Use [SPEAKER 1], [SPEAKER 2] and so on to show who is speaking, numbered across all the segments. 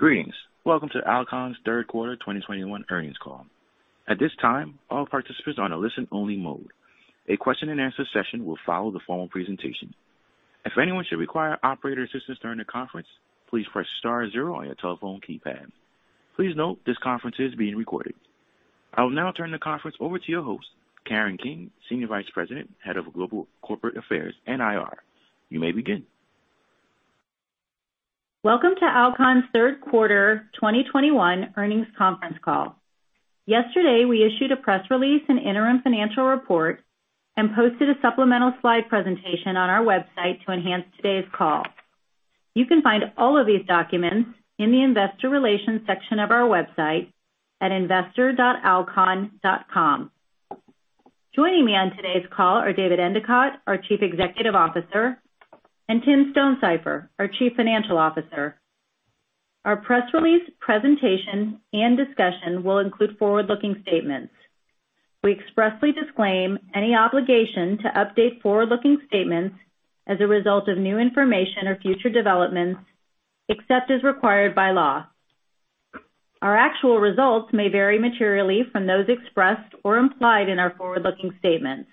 [SPEAKER 1] Greetings. Welcome to Alcon's Q3 2021 Earnings Call. At this time, all participants are on a listen-only mode. A question-and-answer session will follow the formal presentation. If anyone should require operator assistance during the conference, please press star zero on your telephone keypad. Please note, this conference is being recorded. I will now turn the conference over to your host, Karen King, Senior Vice President, Head of Global Corporate Affairs and IR. You may begin.
[SPEAKER 2] Welcome to Alcon's Q3 2021 Earnings Conference Call. Yesterday, we issued a press release and interim financial report and posted a supplemental slide presentation on our website to enhance today's call. You can find all of these documents in the investor relations section of our website at investor.alcon.com. Joining me on today's call are David Endicott, our Chief Executive Officer, and Tim Stonesifer, our Chief Financial Officer. Our press release presentation and discussion will include forward-looking statements. We expressly disclaim any obligation to update forward-looking statements as a result of new information or future developments, except as required by law. Our actual results may vary materially from those expressed or implied in our forward-looking statements.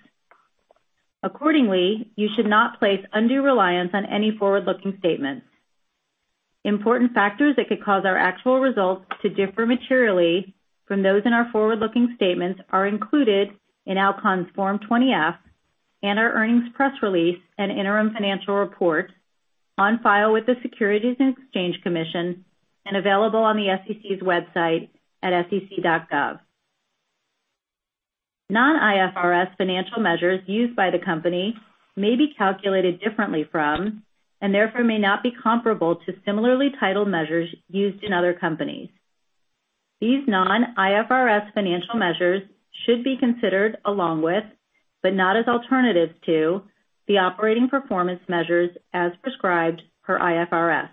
[SPEAKER 2] Accordingly, you should not place undue reliance on any forward-looking statements. Important factors that could cause our actual results to differ materially from those in our forward-looking statements are included in Alcon's Form 20-F and our earnings press release and interim financial report on file with the Securities and Exchange Commission and available on the SEC's website at sec.gov. Non-IFRS financial measures used by the company may be calculated differently from, and therefore may not be comparable to, similarly titled measures used in other companies. These non-IFRS financial measures should be considered along with, but not as alternatives to, the operating performance measures as prescribed per IFRS.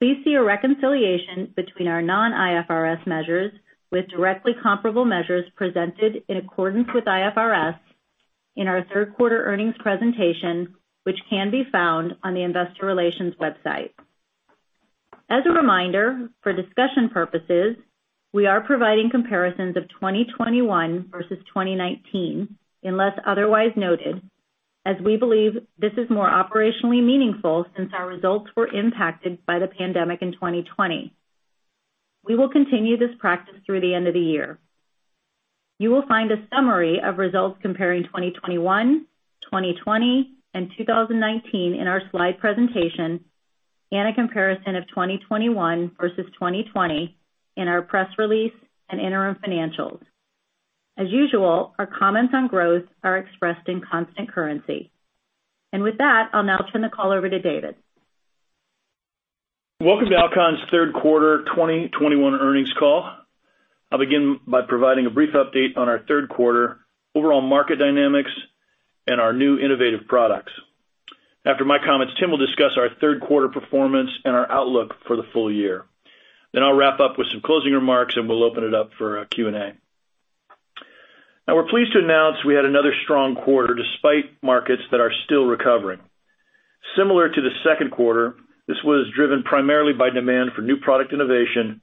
[SPEAKER 2] Please see a reconciliation between our non-IFRS measures with directly comparable measures presented in accordance with IFRS in our Q3 earnings presentation, which can be found on the investor relations website. As a reminder, for discussion purposes, we are providing comparisons of 2021 versus 2019, unless otherwise noted, as we believe this is more operationally meaningful since our results were impacted by the pandemic in 2020. We will continue this practice through the end of the year. You will find a summary of results comparing 2021, 2020, and 2019 in our slide presentation, and a comparison of 2021 versus 2020 in our press release and interim financials. As usual, our comments on growth are expressed in constant currency. With that, I'll now turn the call over to David.
[SPEAKER 3] Welcome to Alcon's Q3 2021 Earnings Call. I'll begin by providing a brief update on our Q3 overall market dynamics and our new innovative products. After my comments, Tim will discuss our Q3 performance and our outlook for the full year. Then I'll wrap up with some closing remarks, and we'll open it up for Q&A. Now, we're pleased to announce we had another strong quarter despite markets that are still recovering. Similar to the Q2, this was driven primarily by demand for new product innovation,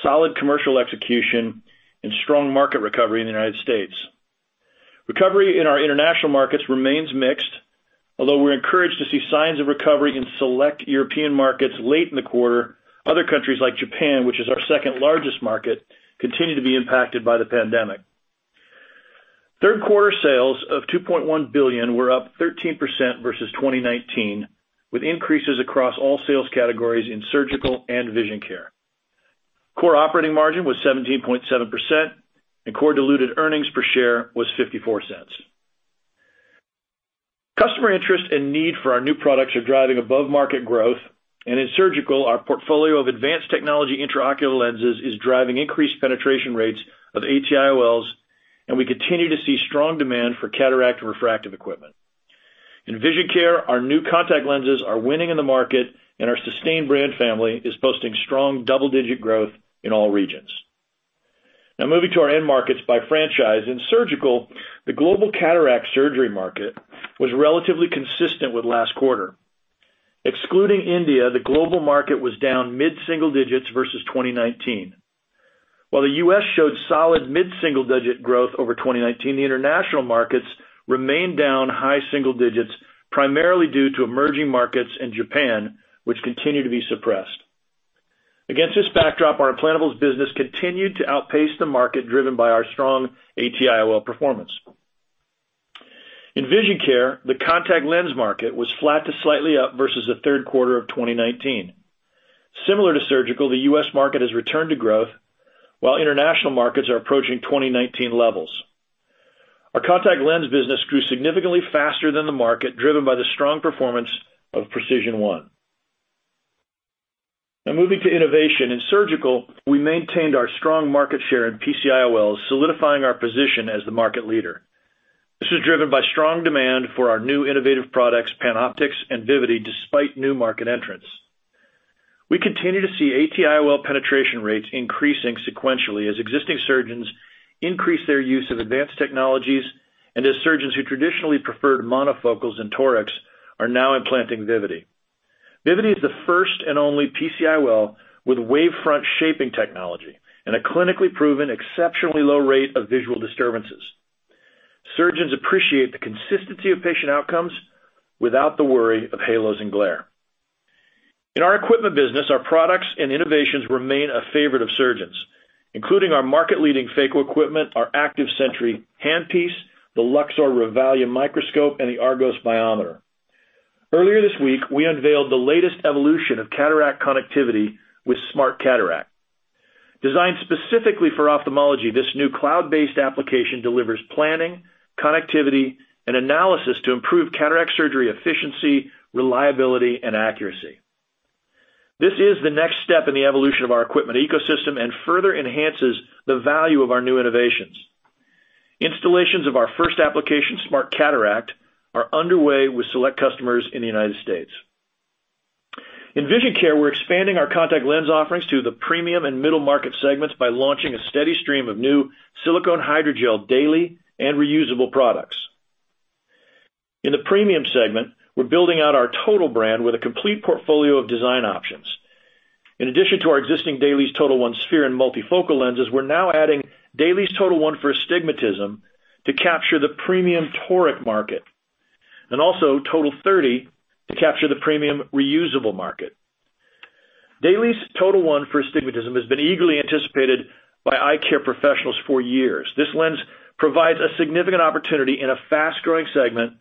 [SPEAKER 3] solid commercial execution, and strong market recovery in the United States. Recovery in our international markets remains mixed. Although we're encouraged to see signs of recovery in select European markets late in the quarter, other countries like Japan, which is our second largest market, continue to be impacted by the pandemic. Q3 sales of $2.1 billion were up 13% versus 2019, with increases across all sales categories in surgical and vision care. Core operating margin was 17.7%, and core diluted earnings per share was $0.54. Customer interest and need for our new products are driving above-market growth. In surgical, our portfolio of advanced technology intraocular lenses is driving increased penetration rates of ATIOLs, and we continue to see strong demand for cataract refractive equipment. In vision care, our new contact lenses are winning in the market, and our SYSTANE brand family is posting strong double-digit growth in all regions. Now moving to our end markets by franchise. In surgical, the global cataract surgery market was relatively consistent with last quarter. Excluding India, the global market was down mid-single digits versus 2019. While the U.S. showed solid mid-single-digit growth over 2019, the international markets remained down high single digits, primarily due to emerging markets in Japan, which continue to be suppressed. Against this backdrop, our implantables business continued to outpace the market, driven by our strong ATIOL performance. In vision care, the contact lens market was flat to slightly up versus the Q3 of 2019. Similar to surgical, the U.S. market has returned to growth, while international markets are approaching 2019 levels. Our contact lens business grew significantly faster than the market, driven by the strong performance of PRECISION1. Now moving to innovation. In surgical, we maintained our strong market share in PCIOLs, solidifying our position as the market leader. This was driven by strong demand for our new innovative products, PanOptix and Vivity, despite new market entrants. We continue to see ATIOL penetration rates increasing sequentially as existing surgeons increase their use of advanced technologies and as surgeons who traditionally preferred monofocals and Torics are now implanting Vivity. Vivity is the first and only PCIOL with wavefront shaping technology and a clinically proven exceptionally low rate of visual disturbances. Surgeons appreciate the consistency of patient outcomes without the worry of halos and glare. In our equipment business, our products and innovations remain a favorite of surgeons, including our market-leading phaco equipment, our Active Sentry handpiece, the LuxOR Revalia microscope and the ARGOS biometer. Earlier this week, we unveiled the latest evolution of cataract connectivity with SMARTCataract. Designed specifically for ophthalmology, this new cloud-based application delivers planning, connectivity, and analysis to improve cataract surgery efficiency, reliability, and accuracy. This is the next step in the evolution of our equipment ecosystem and further enhances the value of our new innovations. Installations of our first application, SMARTCataract, are underway with select customers in the United States. In Vision Care, we're expanding our contact lens offerings to the premium and middle market segments by launching a steady stream of new silicone hydrogel daily and reusable products. In the premium segment, we're building out our TOTAL brand with a complete portfolio of design options. In addition to our existing DAILIES TOTAL1 sphere and multifocal lenses, we're now adding DAILIES TOTAL1 for Astigmatism to capture the premium toric market, and also TOTAL30 to capture the premium reusable market. DAILIES TOTAL1 for Astigmatism has been eagerly anticipated by eye care professionals for years. This lens provides a significant opportunity in a fast-growing segment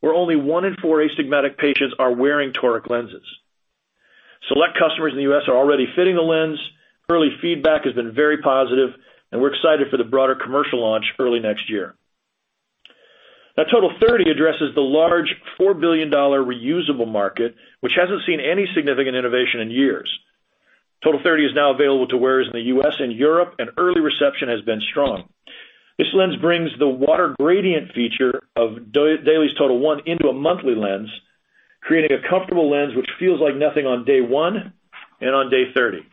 [SPEAKER 3] where only one in four astigmatic patients are wearing toric lenses. Select customers in the U.S. are already fitting the lens. Early feedback has been very positive, and we're excited for the broader commercial launch early next year. Now, TOTAL30 addresses the large $4 billion reusable market, which hasn't seen any significant innovation in years. TOTAL30 is now available to wearers in the U.S. and Europe, and early reception has been strong. This lens brings the Water Gradient feature of DAILIES TOTAL1 into a monthly lens, creating a comfortable lens which feels like nothing on day one and on day 30.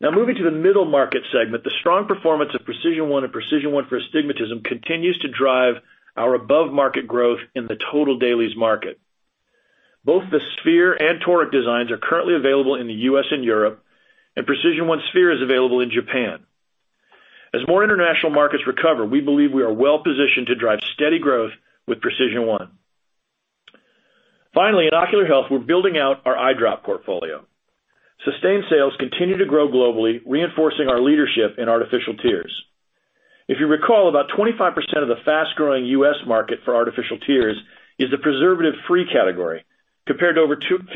[SPEAKER 3] Now moving to the middle market segment, the strong performance of PRECISION1 and PRECISION1 for Astigmatism continues to drive our above-market growth in the total dailies market. Both the sphere and Toric designs are currently available in the U.S. and Europe, and PRECISION1 Sphere is available in Japan. As more international markets recover, we believe we are well-positioned to drive steady growth with PRECISION1. Finally, in Ocular Health, we're building out our eye drop portfolio. Systane sales continue to grow globally, reinforcing our leadership in artificial tears. If you recall, about 25% of the fast-growing U.S. market for artificial tears is the preservative-free category, compared to over 50%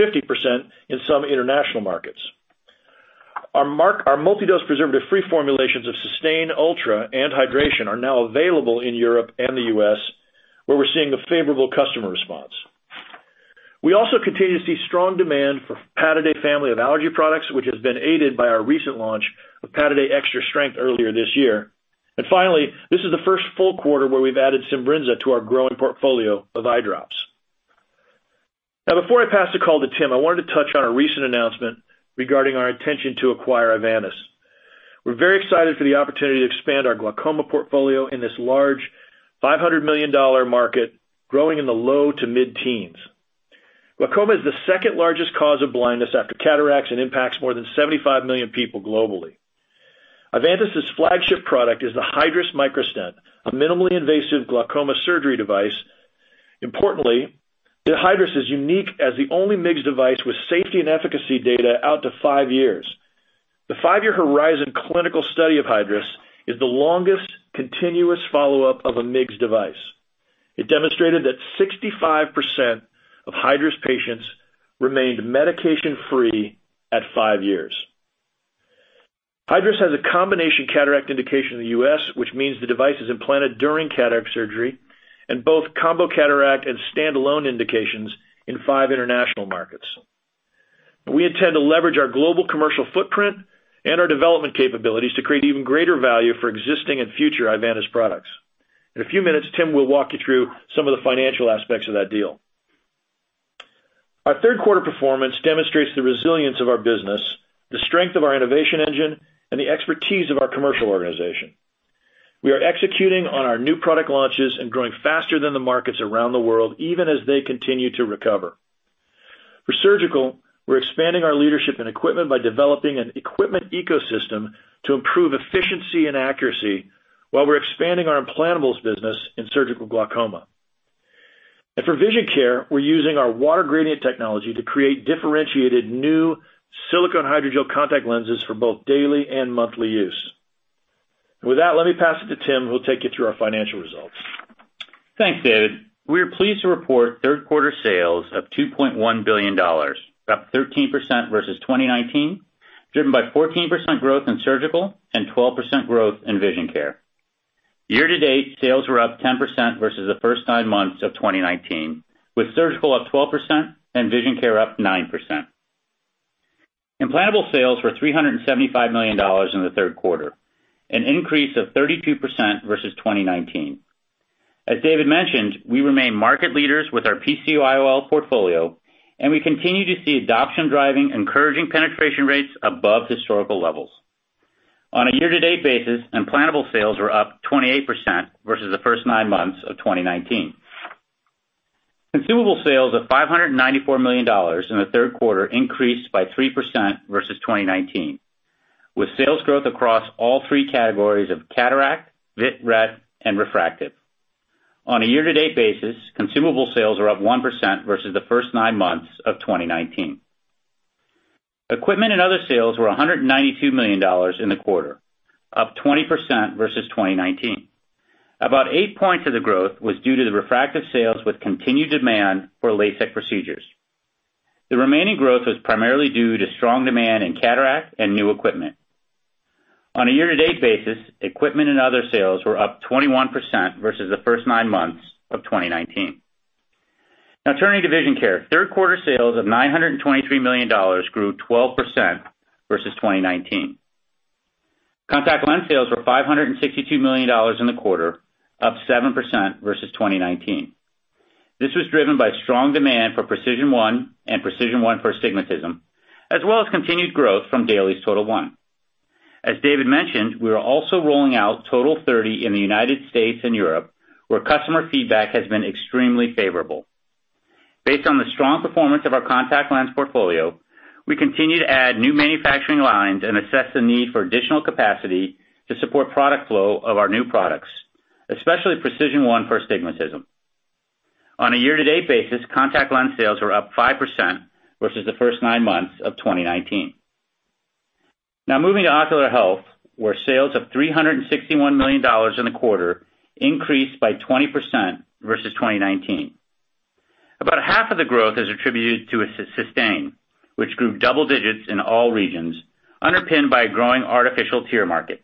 [SPEAKER 3] in some international markets. Our multi-dose preservative-free formulations of Systane Ultra and Hydration are now available in Europe and the U.S., where we're seeing a favorable customer response. We also continue to see strong demand for Pataday family of allergy products, which has been aided by our recent launch of Pataday Extra Strength earlier this year. Finally, this is the first full quarter where we've added Simbrinza to our growing portfolio of eye drops. Now, before I pass the call to Tim, I wanted to touch on a recent announcement regarding our intention to acquire Ivantis. We're very excited for the opportunity to expand our glaucoma portfolio in this large $500 million market growing in the low- to mid-teens. Glaucoma is the second largest cause of blindness after cataracts and impacts more than 75 million people globally. Ivantis' flagship product is the Hydrus Microstent, a minimally invasive glaucoma surgery device. Importantly, the Hydrus is unique as the only MIGS device with safety and efficacy data out to five years. The five-year HORIZON clinical study of Hydrus is the longest continuous follow-up of a MIGS device. It demonstrated that 65% of Hydrus patients remained medication-free at five years. Hydrus has a combination cataract indication in the U.S., which means the device is implanted during cataract surgery and both combo cataract and standalone indications in five international markets. We intend to leverage our global commercial footprint and our development capabilities to create even greater value for existing and future Ivantis products. In a few minutes, Tim will walk you through some of the financial aspects of that deal. Our Q3 performance demonstrates the resilience of our business, the strength of our innovation engine, and the expertise of our commercial organization. We are executing on our new product launches and growing faster than the markets around the world, even as they continue to recover. For Surgical, we're expanding our leadership and equipment by developing an equipment ecosystem to improve efficiency and accuracy while we're expanding our implantables business in surgical glaucoma. For Vision Care, we're using our Water Gradient technology to create differentiated new silicone hydrogel contact lenses for both daily and monthly use. With that, let me pass it to Tim, who will take you through our financial results.
[SPEAKER 4] Thanks, David. We are pleased to report Q3 sales of $2.1 billion, up 13% versus 2019, driven by 14% growth in Surgical and 12% growth in Vision Care. Year to date, sales were up 10% versus the first nine months of 2019, with Surgical up 12% and Vision Care up 9%. Implantable sales were $375 million in the Q3, an increase of 32% versus 2019. As David mentioned, we remain market leaders with our PC IOL portfolio, and we continue to see adoption driving encouraging penetration rates above historical levels. On a year-to-date basis, implantable sales were up 28% versus the first nine months of 2019. Consumable sales of $594 million in the Q3 increased by 3% versus 2019, with sales growth across all three categories of cataract, vitreoretinal, and refractive. On a year-to-date basis, consumable sales are up 1% versus the first nine months of 2019. Equipment and other sales were $192 million in the quarter, up 20% versus 2019. About eight points of the growth was due to the refractive sales with continued demand for LASIK procedures. The remaining growth was primarily due to strong demand in cataract and new equipment. On a year-to-date basis, equipment and other sales were up 21% versus the first nine months of 2019. Now turning to Vision Care. Q3 sales of $923 million grew 12% versus 2019. Contact lens sales were $562 million in the quarter, up 7% versus 2019. This was driven by strong demand for PRECISION1 and PRECISION1 for Astigmatism, as well as continued growth from DAILIES TOTAL1. As David mentioned, we are also rolling out TOTAL30 in the United States and Europe, where customer feedback has been extremely favorable. Based on the strong performance of our contact lens portfolio, we continue to add new manufacturing lines and assess the need for additional capacity to support product flow of our new products, especially PRECISION1 for Astigmatism. On a year-to-date basis, contact lens sales were up 5% versus the first nine months of 2019. Now moving to Ocular Health, where sales of $361 million in the quarter increased by 20% versus 2019. About half of the growth is attributed to SYSTANE, which grew double digits in all regions, underpinned by a growing artificial tear market.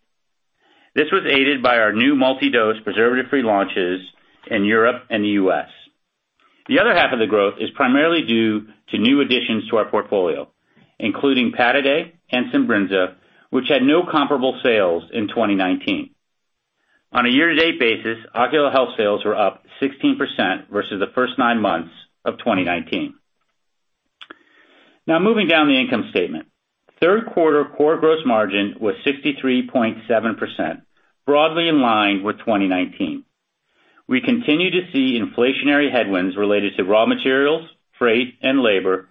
[SPEAKER 4] This was aided by our new multi-dose preservative-free launches in Europe and the U.S. The other half of the growth is primarily due to new additions to our portfolio, including Pataday and Simbrinza, which had no comparable sales in 2019. On a year-to-date basis, Ocular Health sales were up 16% versus the first nine months of 2019. Now moving down the income statement. Q3 core gross margin was 63.7%, broadly in line with 2019. We continue to see inflationary headwinds related to raw materials, freight, and labor,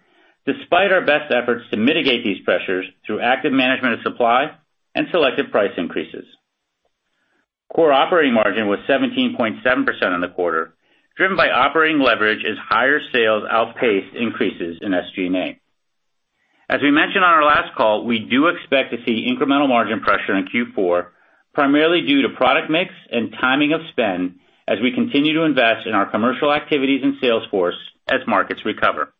[SPEAKER 4] despite our best efforts to mitigate these pressures through active management of supply and selective price increases. Core operating margin was 17.7% in the quarter, driven by operating leverage as higher sales outpaced increases in SG&A. As we mentioned on our last call, we do expect to see incremental margin pressure in Q4, primarily due to product mix and timing of spend as we continue to invest in our commercial activities and sales force as markets recover.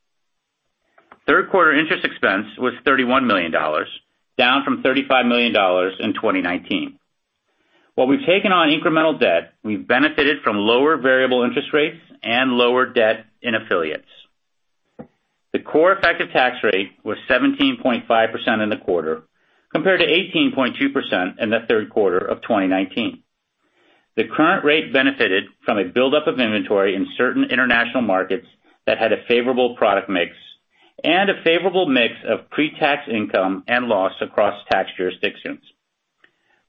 [SPEAKER 4] Q3 interest expense was $31 million, down from $35 million in 2019. While we've taken on incremental debt, we've benefited from lower variable interest rates and lower debt in affiliates. The core effective tax rate was 17.5% in the quarter, compared to 18.2% in the Q3 of 2019. The current rate benefited from a buildup of inventory in certain international markets that had a favorable product mix and a favorable mix of pre-tax income and loss across tax jurisdictions.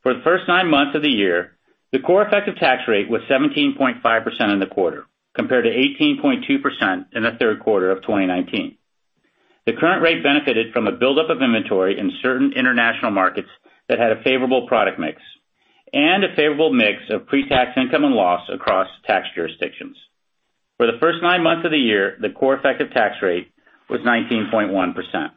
[SPEAKER 4] For the first nine months of the year, the core effective tax rate was 17.5% in the quarter, compared to 18.2% in the Q3 of 2019. The current rate benefited from a buildup of inventory in certain international markets that had a favorable product mix and a favorable mix of pre-tax income and loss across tax jurisdictions. For the first nine months of the year, the core effective tax rate was 19.1%.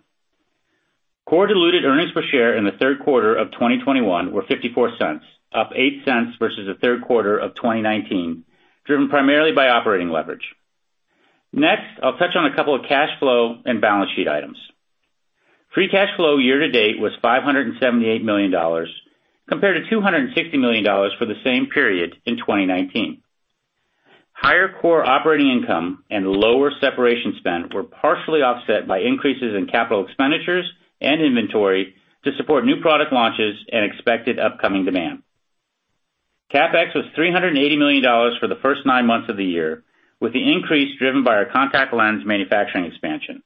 [SPEAKER 4] Core diluted earnings per share in the Q3 of 2021 were $0.54, up $0.08 versus the Q3 of 2019, driven primarily by operating leverage. Next, I'll touch on a couple of cash flow and balance sheet items. Free cash flow year to date was $578 million, compared to $260 million for the same period in 2019. Higher core operating income and lower separation spend were partially offset by increases in capital expenditures and inventory to support new product launches and expected upcoming demand. CapEx was $380 million for the first nine months of the year, with the increase driven by our contact lens manufacturing expansion.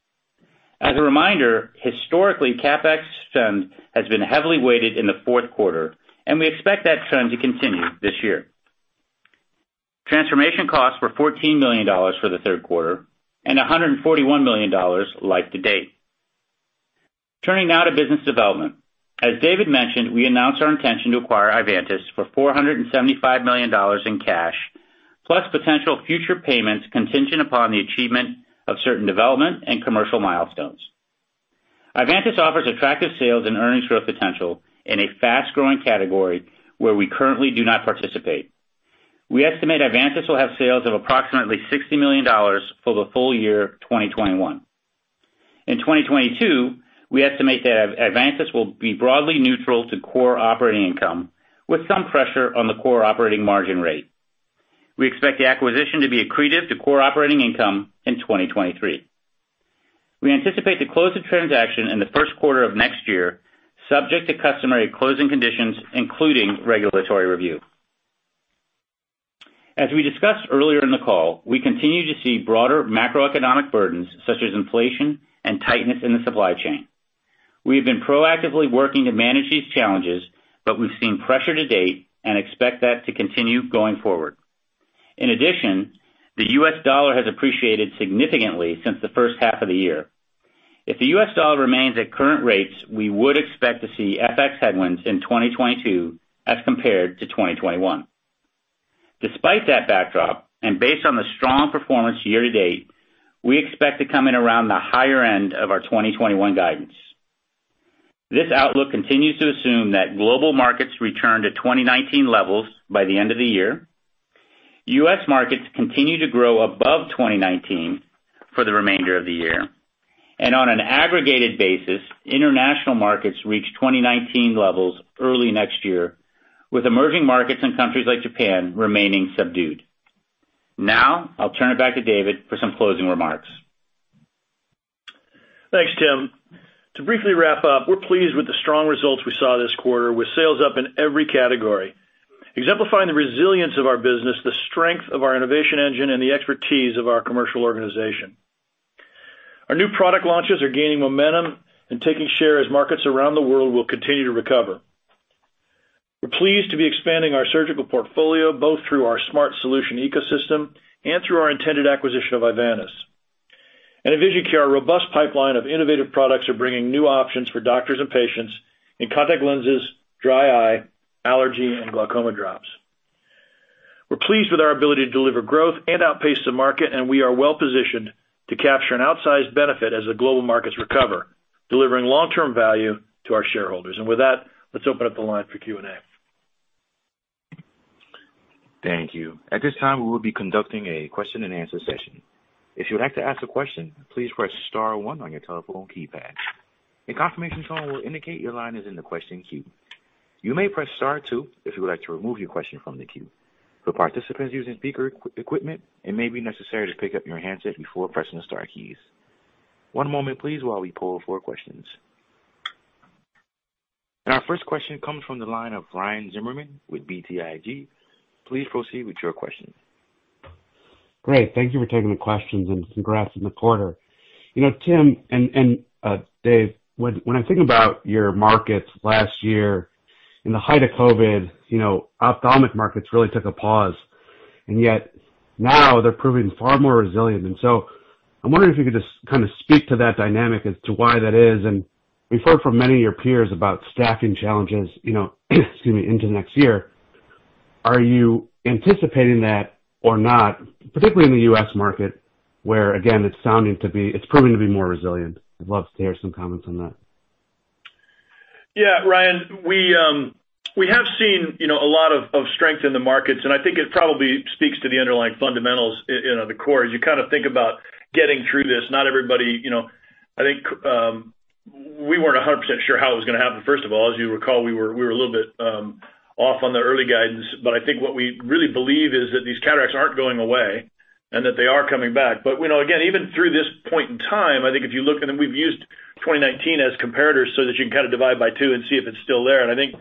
[SPEAKER 4] As a reminder, historically, CapEx spend has been heavily weighted in the Q4, and we expect that trend to continue this year. Transformation costs were $14 million for the Q3 and $141 million year to date. Turning now to business development. As David mentioned, we announced our intention to acquire Ivantis for $475 million in cash plus potential future payments contingent upon the achievement of certain development and commercial milestones. Ivantis offers attractive sales and earnings growth potential in a fast-growing category where we currently do not participate. We estimate Ivantis will have sales of approximately $60 million for the full year of 2021. In 2022, we estimate that Ivantis will be broadly neutral to core operating income with some pressure on the core operating margin rate. We expect the acquisition to be accretive to core operating income in 2023. We anticipate to close the transaction in the Q1 of next year, subject to customary closing conditions, including regulatory review. As we discussed earlier in the call, we continue to see broader macroeconomic burdens such as inflation and tightness in the supply chain. We have been proactively working to manage these challenges, but we've seen pressure to date and expect that to continue going forward. In addition, the U.S. dollar has appreciated significantly since the first half of the year. If the U.S. dollar remains at current rates, we would expect to see FX headwinds in 2022 as compared to 2021. Despite that backdrop, and based on the strong performance year to date, we expect to come in around the higher end of our 2021 guidance. This outlook continues to assume that global markets return to 2019 levels by the end of the year. U.S. markets continue to grow above 2019 for the remainder of the year. On an aggregated basis, international markets reach 2019 levels early next year, with emerging markets in countries like Japan remaining subdued. Now I'll turn it back to David for some closing remarks.
[SPEAKER 3] Thanks, Tim. To briefly wrap up, we're pleased with the strong results we saw this quarter with sales up in every category, exemplifying the resilience of our business, the strength of our innovation engine, and the expertise of our commercial organization. Our new product launches are gaining momentum and taking share as markets around the world will continue to recover. We're pleased to be expanding our surgical portfolio both through our smart solution ecosystem and through our intended acquisition of Ivantis. In vision care, our robust pipeline of innovative products are bringing new options for doctors and patients in contact lenses, dry eye, allergy, and glaucoma drops. We're pleased with our ability to deliver growth and outpace the market, and we are well positioned to capture an outsized benefit as the global markets recover, delivering long-term value to our shareholders. With that, let's open up the line for Q&A.
[SPEAKER 1] Thank you. At this time, we will be conducting a question-and-answer session. If you'd like to ask a question, please press star one on your telephone keypad. A confirmation tone will indicate your line is in the question queue. You may press star two if you would like to remove your question from the queue. For participants using speaker equipment, it may be necessary to pick up your handset before pressing the star keys. One moment, please, while we poll for questions. Our first question comes from the line of Ryan Zimmerman with BTIG. Please proceed with your question.
[SPEAKER 5] Great. Thank you for taking the questions and congrats on the quarter. You know, Tim and Dave, when I think about your markets last year in the height of COVID, you know, ophthalmic markets really took a pause, and yet now they're proving far more resilient. I'm wondering if you could just kind of speak to that dynamic as to why that is. We've heard from many of your peers about staffing challenges, you know, excuse me, into next year. Are you anticipating that or not, particularly in the U.S. market, where again, it's proving to be more resilient? I'd love to hear some comments on that.
[SPEAKER 3] Yeah, Ryan, we have seen, you know, a lot of strength in the markets, and I think it probably speaks to the underlying fundamentals in the core. As you kind of think about getting through this, not everybody, you know. I think we weren't 100% sure how it was gonna happen, first of all. As you recall, we were a little bit off on the early guidance. I think what we really believe is that these cataracts aren't going away and that they are coming back. You know, again, even through this point in time, I think if you look, and then we've used 2019 as comparators so that you can kind of divide by two and see if it's still there. I think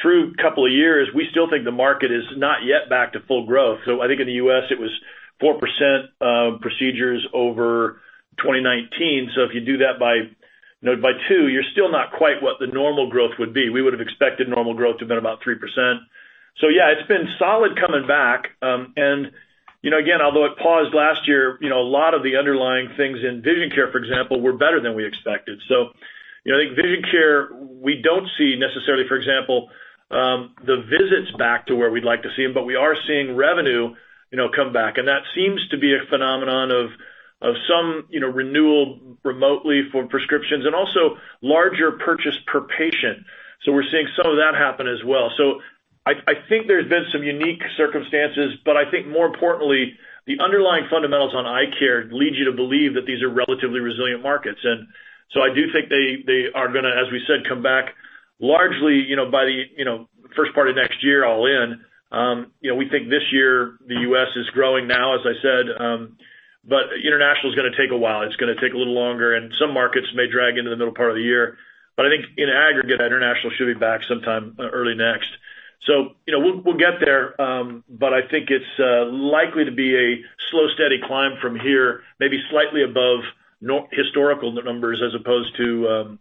[SPEAKER 3] through couple of years, we still think the market is not yet back to full growth. I think in the U.S. it was 4%, procedures over 2019. If you do that by, you know, by two, you're still not quite what the normal growth would be. We would've expected normal growth to been about 3%. Yeah, it's been solid coming back. You know, again, although it paused last year, you know, a lot of the underlying things in vision care, for example, were better than we expected. You know, I think vision care, we don't see necessarily, for example, the visits back to where we'd like to see them, but we are seeing revenue, you know, come back. That seems to be a phenomenon of some, you know, renewal remotely for prescriptions and also larger purchase per patient. We're seeing some of that happen as well. I think there's been some unique circumstances, but I think more importantly, the underlying fundamentals on eye care lead you to believe that these are relatively resilient markets. I do think they are gonna, as we said, come back largely, you know, by the first part of next year all in. We think this year the U.S. is growing now, as I said, but international's gonna take a while. It's gonna take a little longer, and some markets may drag into the middle part of the year. I think in aggregate, international should be back sometime early next. You know, we'll get there, but I think it's likely to be a slow, steady climb from here, maybe slightly above our historical numbers as opposed to,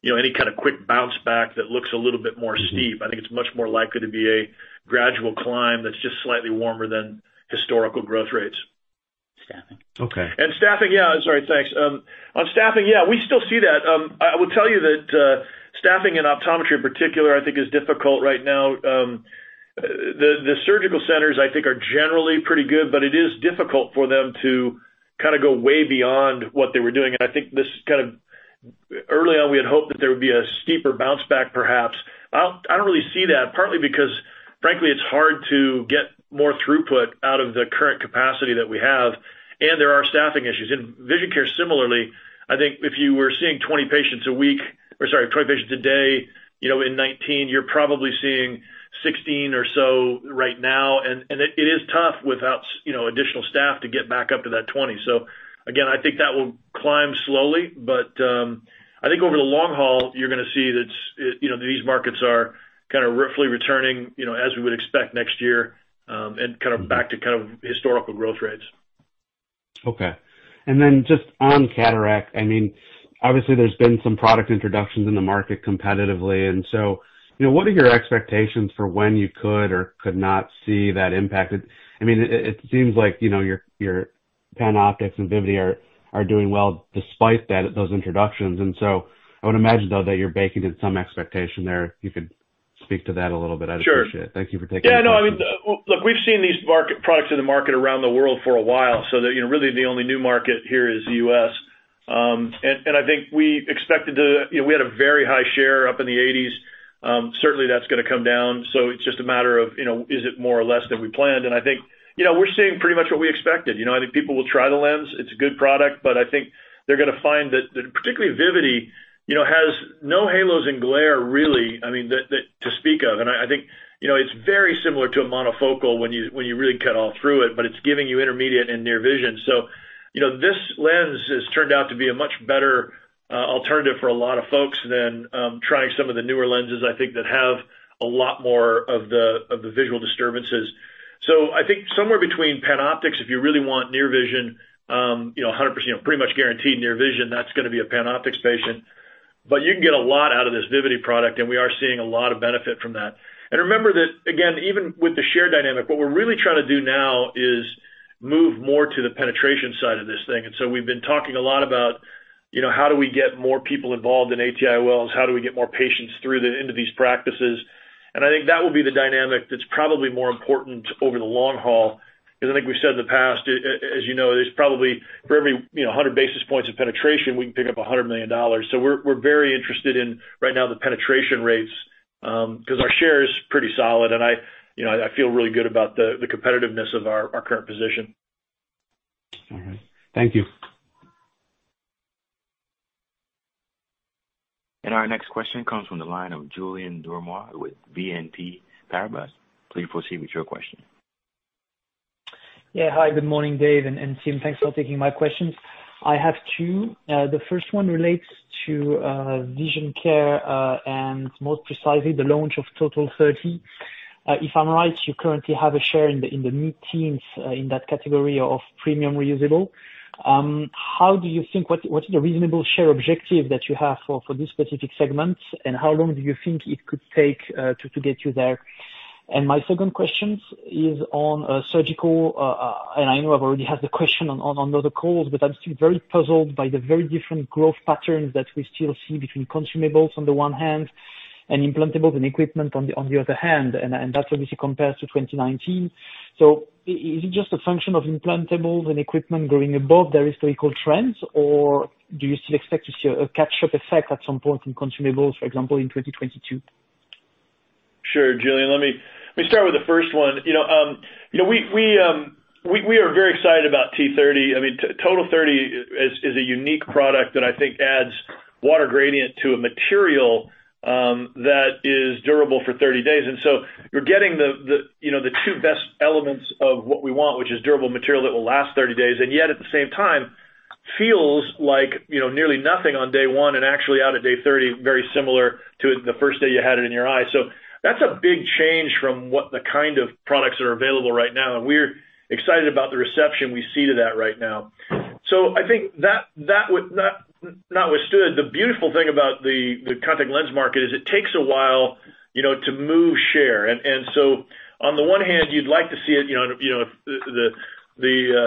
[SPEAKER 3] you know, any kind of quick bounce back that looks a little bit more steep. I think it's much more likely to be a gradual climb that's just slightly warmer than historical growth rates.
[SPEAKER 5] Staffing. Okay.
[SPEAKER 3] Staffing. Yeah, sorry. Thanks. On staffing, yeah, we still see that. I will tell you that, staffing and optometry in particular, I think is difficult right now. The surgical centers I think are generally pretty good, but it is difficult for them to kind of go way beyond what they were doing. I think this kind of early on, we had hoped that there would be a steeper bounce back perhaps. I don't really see that, partly because frankly, it's hard to get more throughput out of the current capacity that we have. There are staffing issues. In vision care similarly, I think if you were seeing 20 patients a week or, sorry, 20 patients a day, you know, in 2019, you're probably seeing 16 or so right now, and it is tough without you know, additional staff to get back up to that 20. I think that will climb slowly, but I think over the long haul, you're gonna see that, you know, these markets are kind of roughly returning, you know, as we would expect next year, and kind of back to kind of historical growth rates.
[SPEAKER 5] Okay. Just on cataract, I mean, obviously there's been some product introductions in the market competitively, and so, you know, what are your expectations for when you could or could not see that impact? I mean, it seems like, you know, your PanOptix and Vivity are doing well despite that, those introductions. I would imagine, though, that you're baking in some expectation there. If you could speak to that a little bit, I'd appreciate it.
[SPEAKER 3] Sure.
[SPEAKER 5] Thank you for taking the question.
[SPEAKER 3] Yeah, no, I mean, look, we've seen these market products in the market around the world for a while, so that, you know, really the only new market here is the U.S. I think we expected to. You know, we had a very high share up in the 80s, certainly that's gonna come down, so it's just a matter of, you know, is it more or less than we planned? I think, you know, we're seeing pretty much what we expected. You know, I think people will try the lens. It's a good product, but I think they're gonna find that particularly Vivity, you know, has no halos and glare really, I mean, to speak of. I think, you know, it's very similar to a monofocal when you really cut all through it, but it's giving you intermediate and near vision. You know, this lens has turned out to be a much better alternative for a lot of folks than trying some of the newer lenses, I think, that have a lot more of the visual disturbances. I think somewhere between PanOptix, if you really want near vision, you know, 100%, you know, pretty much guaranteed near vision, that's gonna be a PanOptix patient. But you can get a lot out of this Vivity product, and we are seeing a lot of benefit from that. Remember that, again, even with the share dynamic, what we're really trying to do now is move more to the penetration side of this thing. We've been talking a lot about, you know, how do we get more people involved in ATIOLs? How do we get more patients into these practices? I think that will be the dynamic that's probably more important over the long haul, 'cause I think we've said in the past, as you know, there's probably for every, you know, 100 basis points of penetration, we can pick up $100 million. We're very interested in, right now, the penetration rates, 'cause our share is pretty solid, and I, you know, I feel really good about the competitiveness of our current position.
[SPEAKER 5] All right. Thank you.
[SPEAKER 1] Our next question comes from the line of Julien Ouaddour with BNP Paribas. Please proceed with your question.
[SPEAKER 6] Yeah. Hi, good morning, Dave and Tim. Thanks for taking my questions. I have two. The first one relates to Vision Care and more precisely the launch of TOTAL30. If I'm right, you currently have a share in the mid-teens in that category of premium reusable. What is the reasonable share objective that you have for this specific segment, and how long do you think it could take to get you there? My second question is on Surgical. I know I've already had the question on another call, but I'm still very puzzled by the very different growth patterns that we still see between consumables on the one hand and implantables and equipment on the other hand, and that's obviously compared to 2019. Is it just a function of implantables and equipment growing above the historical trends, or do you still expect to see a catch-up effect at some point in consumables, for example, in 2022?
[SPEAKER 3] Sure, Julien. Let me start with the first one. You know, we are very excited about T30. I mean, TOTAL30 is a unique product that I think adds Water Gradient to a material that is durable for 30 days. You're getting the two best elements of what we want, which is durable material that will last 30 days, and yet at the same time feels like nearly nothing on day one and actually out at day 30, very similar to the first day you had it in your eye. That's a big change from what the kind of products are available right now, and we're excited about the reception we see to that right now. I think that notwithstanding, the beautiful thing about the contact lens market is it takes a while, you know, to move share. On the one hand, you'd like to see it, you know,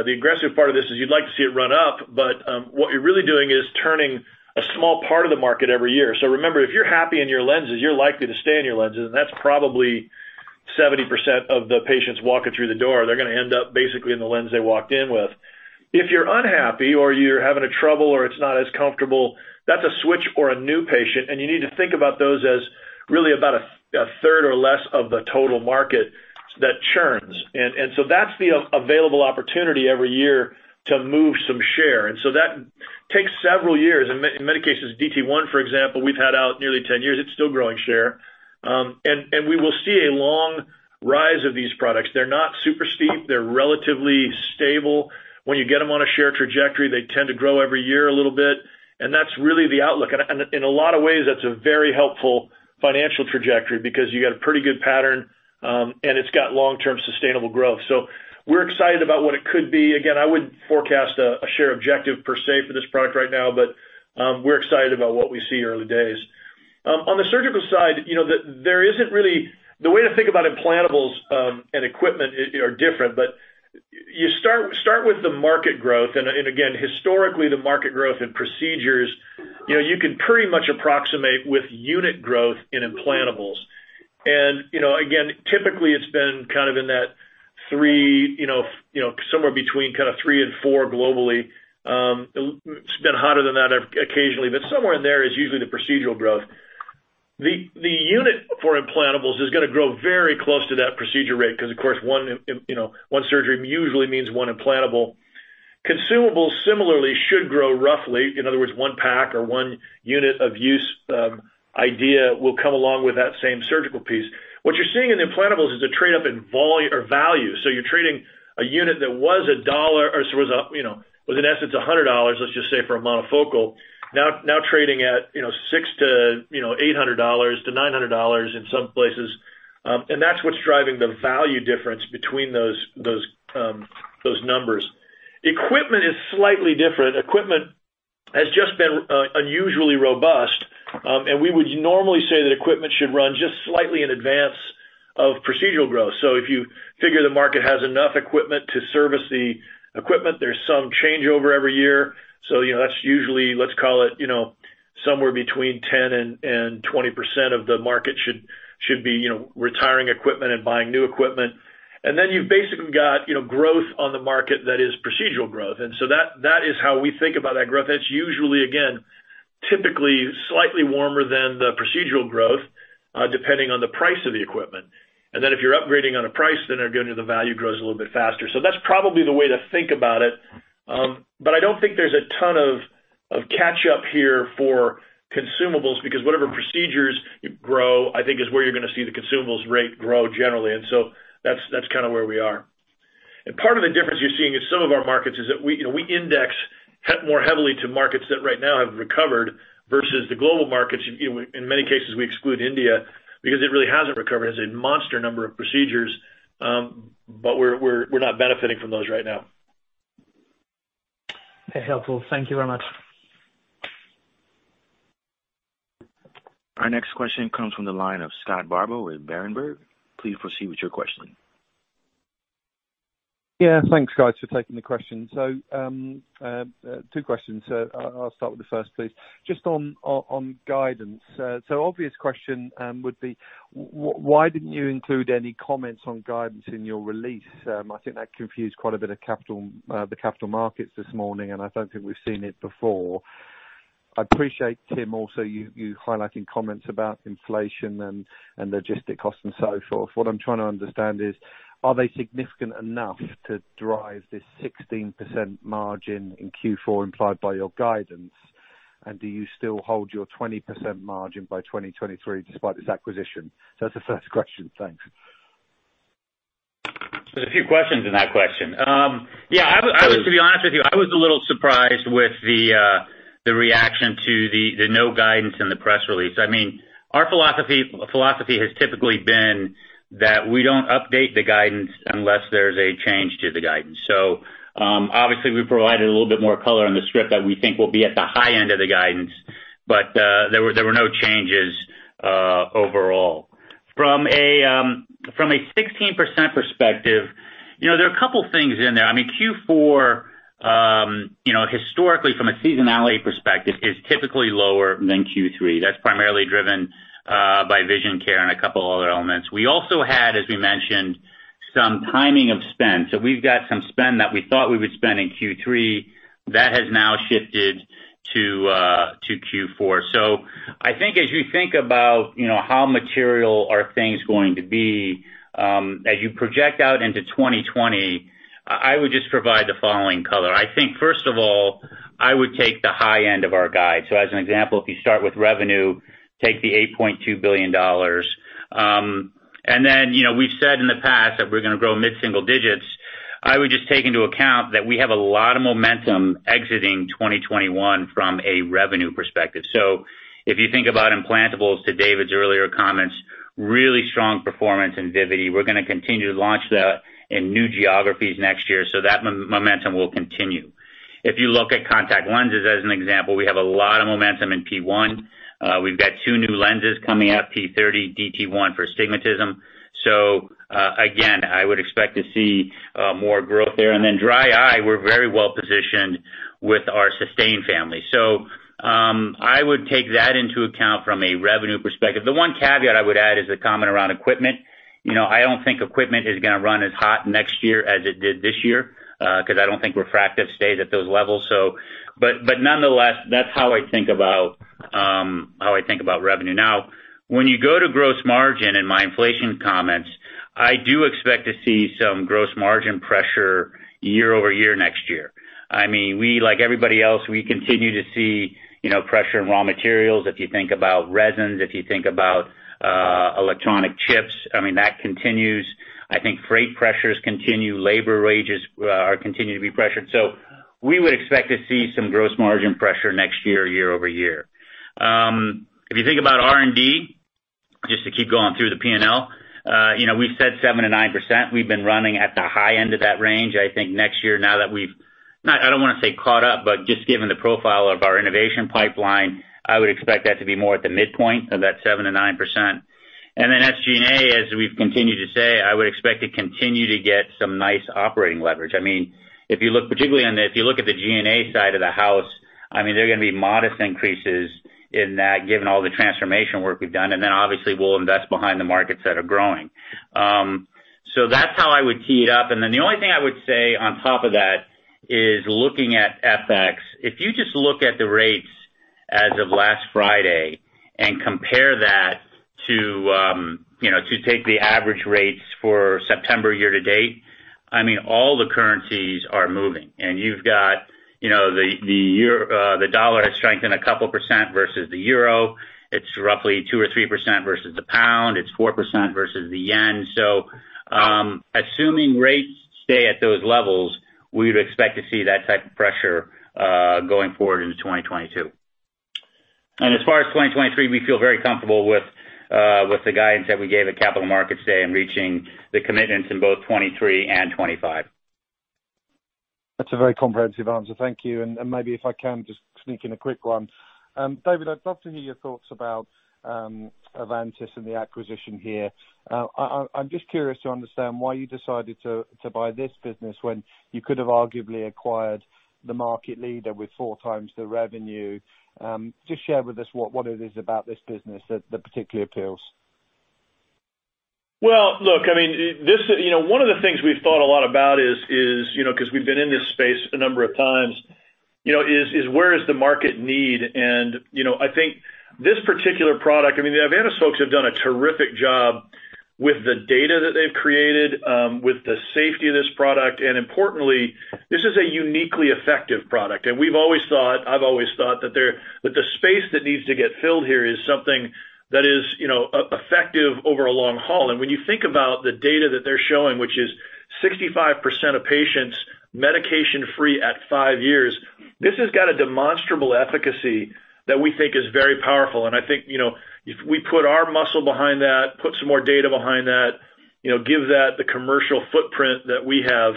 [SPEAKER 3] the aggressive part of this is you'd like to see it run up, but what you're really doing is turning a small part of the market every year. Remember, if you're happy in your lenses, you're likely to stay in your lenses, and that's probably 70% of the patients walking through the door. They're gonna end up basically in the lens they walked in with. If you're unhappy or you're having trouble or it's not as comfortable, that's a switch or a new patient, and you need to think about those as really about a third or less of the total market that churns. That's the available opportunity every year to move some share. That takes several years. In many cases, DAILIES TOTAT1, for example, we've had out nearly 10 years. It's still growing share. We will see a long rise of these products. They're not super steep. They're relatively stable. When you get them on a share trajectory, they tend to grow every year a little bit, and that's really the outlook. In a lot of ways, that's a very helpful financial trajectory because you got a pretty good pattern, and it's got long-term sustainable growth. We're excited about what it could be. Again, I wouldn't forecast a share objective per se for this product right now, but we're excited about what we see early days. On the surgical side, the way to think about implantables and equipment is different, but you start with the market growth and again, historically, the market growth and procedures, you know, you can pretty much approximate with unit growth in implantables. You know, again, typically it's been kind of in that three, you know, somewhere between 3%-4% globally. It's been hotter than that occasionally, but somewhere in there is usually the procedural growth. The unit for implantables is gonna grow very close to that procedure rate because of course, you know, one surgery usually means one implantable. Consumables similarly should grow roughly, in other words, one pack or one unit of use, it'll come along with that same surgical piece. What you're seeing in the implantables is a trade-up in value. You're trading a unit that was a dollar or so, you know, was in essence, a $100, let's just say for a monofocal, now trading at, you know, $600-$900 in some places. That's what's driving the value difference between those numbers. Equipment is slightly different. Equipment has just been unusually robust, and we would normally say that equipment should run just slightly in advance of procedural growth. If you figure the market has enough equipment to service the procedures, there's some changeover every year. You know, that's usually, let's call it, you know, somewhere between 10%-20% of the market should be, you know, retiring equipment and buying new equipment. Then you've basically got, you know, growth on the market that is procedural growth. That is how we think about that growth. That's usually, again, typically slightly warmer than the procedural growth, depending on the price of the equipment. If you're upgrading on a price, then again, the value grows a little bit faster. That's probably the way to think about it. I don't think there's a ton of catch up here for consumables because whatever procedures you grow, I think is where you're gonna see the consumables rate grow generally. That's kinda where we are. Part of the difference you're seeing in some of our markets is that you know, we index more heavily to markets that right now have recovered versus the global markets. You know, in many cases, we exclude India because it really hasn't recovered. It has a monster number of procedures, but we're not benefiting from those right now.
[SPEAKER 6] Okay, helpful. Thank you very much.
[SPEAKER 1] Our next question comes from the line of Scott Bardo with Berenberg. Please proceed with your question.
[SPEAKER 7] Yeah, thanks, guys, for taking the question. Two questions. I'll start with the first, please. Just on guidance. Obvious question, would be why didn't you include any comments on guidance in your release? I think that confused quite a bit of capital, the capital markets this morning, and I don't think we've seen it before. I'd appreciate, Tim, also you highlighting comments about inflation and logistic costs and so forth. What I'm trying to understand is, are they significant enough to drive this 16% margin in Q4 implied by your guidance? And do you still hold your 20% margin by 2023 despite this acquisition? That's the first question. Thanks.
[SPEAKER 4] There's a few questions in that question.
[SPEAKER 7] Sure.
[SPEAKER 4] I was, to be honest with you, a little surprised with the reaction to the no guidance in the press release. I mean, our philosophy has typically been that we don't update the guidance unless there's a change to the guidance. Obviously we provided a little bit more color on the script that we think will be at the high end of the guidance, but there were no changes overall. From a 16% perspective, you know, there are a couple things in there. I mean, Q4, you know, historically from a seasonality perspective, is typically lower than Q3. That's primarily driven by Vision Care and a couple other elements. We also had, as we mentioned, some timing of spend. We've got some spend that we thought we would spend in Q3 that has now shifted to Q4. I think as you think about, you know, how material are things going to be, as you project out into 2020, I would just provide the following color. I think, first of all, I would take the high end of our guide. As an example, if you start with revenue, take the $8.2 billion. And then, you know, we've said in the past that we're gonna grow mid-single digits. I would just take into account that we have a lot of momentum exiting 2021 from a revenue perspective. If you think about implantables to David's earlier comments, really strong performance in Vivity. We're gonna continue to launch in new geographies next year, so that momentum will continue. If you look at contact lenses as an example, we have a lot of momentum in P1. We've got two new lenses coming out, TOTAL30, DT1 for astigmatism. So, again, I would expect to see more growth there. Dry eye, we're very well-positioned with our SYSTANE family. I would take that into account from a revenue perspective. The one caveat I would add is the comment around equipment. You know, I don't think equipment is gonna run as hot next year as it did this year, 'cause I don't think refractive stays at those levels, so. Nonetheless, that's how I think about revenue. Now, when you go to gross margin in my inflation comments, I do expect to see some gross margin pressure year-over-year next year. I mean, we, like everybody else, we continue to see, you know, pressure in raw materials. If you think about resins, if you think about electronic chips, I mean, that continues. I think freight pressures continue. Labor wages are continuing to be pressured. We would expect to see some gross margin pressure next year-over-year. If you think about R&D, just to keep going through the P&L, you know, we've said 7%-9%. We've been running at the high end of that range. I think next year, now that we've, not, I don't wanna say caught up, but just given the profile of our innovation pipeline, I would expect that to be more at the midpoint of that 7%-9%. SG&A, as we've continued to say, I would expect to continue to get some nice operating leverage. I mean, if you look at the G&A side of the house, I mean, they're gonna be modest increases in that given all the transformation work we've done. Then obviously we'll invest behind the markets that are growing. That's how I would tee it up. The only thing I would say on top of that is looking at FX. If you just look at the rates as of last Friday and compare that to, you know, to take the average rates for September year to date, I mean, all the currencies are moving. You've got, you know, the dollar has strengthened a couple % versus the euro. It's roughly 2%-3% versus the pound. It's 4% versus the yen. Assuming rates stay at those levels, we would expect to see that type of pressure going forward into 2022. As far as 2023, we feel very comfortable with the guidance that we gave at Capital Markets Day in reaching the commitments in both 2023 and 2025.
[SPEAKER 7] That's a very comprehensive answer. Thank you. Maybe if I can just sneak in a quick one. David, I'd love to hear your thoughts about Ivantis and the acquisition here. I'm just curious to understand why you decided to buy this business when you could have arguably acquired the market leader with four times the revenue. Just share with us what it is about this business that particularly appeals.
[SPEAKER 3] Well, look, I mean, this, you know, one of the things we've thought a lot about is, you know, 'cause we've been in this space a number of times, you know, where is the market need? And, you know, I think this particular product, I mean, the Ivantis folks have done a terrific job with the data that they've created with the safety of this product, and importantly, this is a uniquely effective product. And we've always thought, I've always thought that the space that needs to get filled here is something that is, you know, effective over a long haul. And when you think about the data that they're showing, which is 65% of patients medication-free at five years, this has got a demonstrable efficacy that we think is very powerful. I think, you know, if we put our muscle behind that, put some more data behind that, you know, give that the commercial footprint that we have,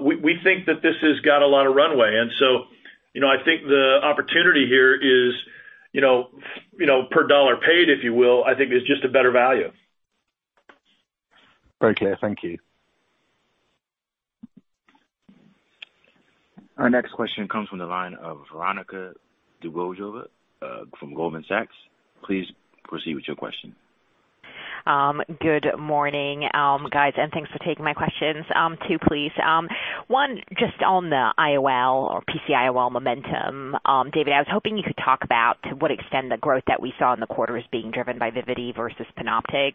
[SPEAKER 3] we think that this has got a lot of runway. You know, I think the opportunity here is, you know, you know, per dollar paid, if you will, I think is just a better value.
[SPEAKER 7] Very clear. Thank you.
[SPEAKER 1] Our next question comes from the line of Veronika Dubajova from Goldman Sachs. Please proceed with your question.
[SPEAKER 8] Good morning, guys, and thanks for taking my questions. Two please. One, just on the IOL or PCIOL momentum, David, I was hoping you could talk about to what extent the growth that we saw in the quarter is being driven by Vivity versus PanOptix.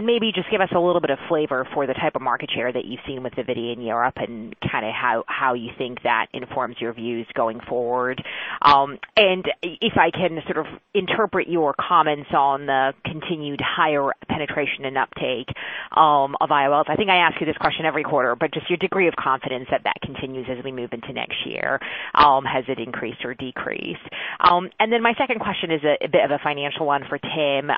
[SPEAKER 8] Maybe just give us a little bit of flavor for the type of market share that you've seen with Vivity in Europe and kinda how you think that informs your views going forward. If I can sort of interpret your comments on the continued higher penetration and uptake of IOLs, I think I ask you this question every quarter, but just your degree of confidence that that continues as we move into next year, has it increased or decreased? My second question is a bit of a financial one for Tim.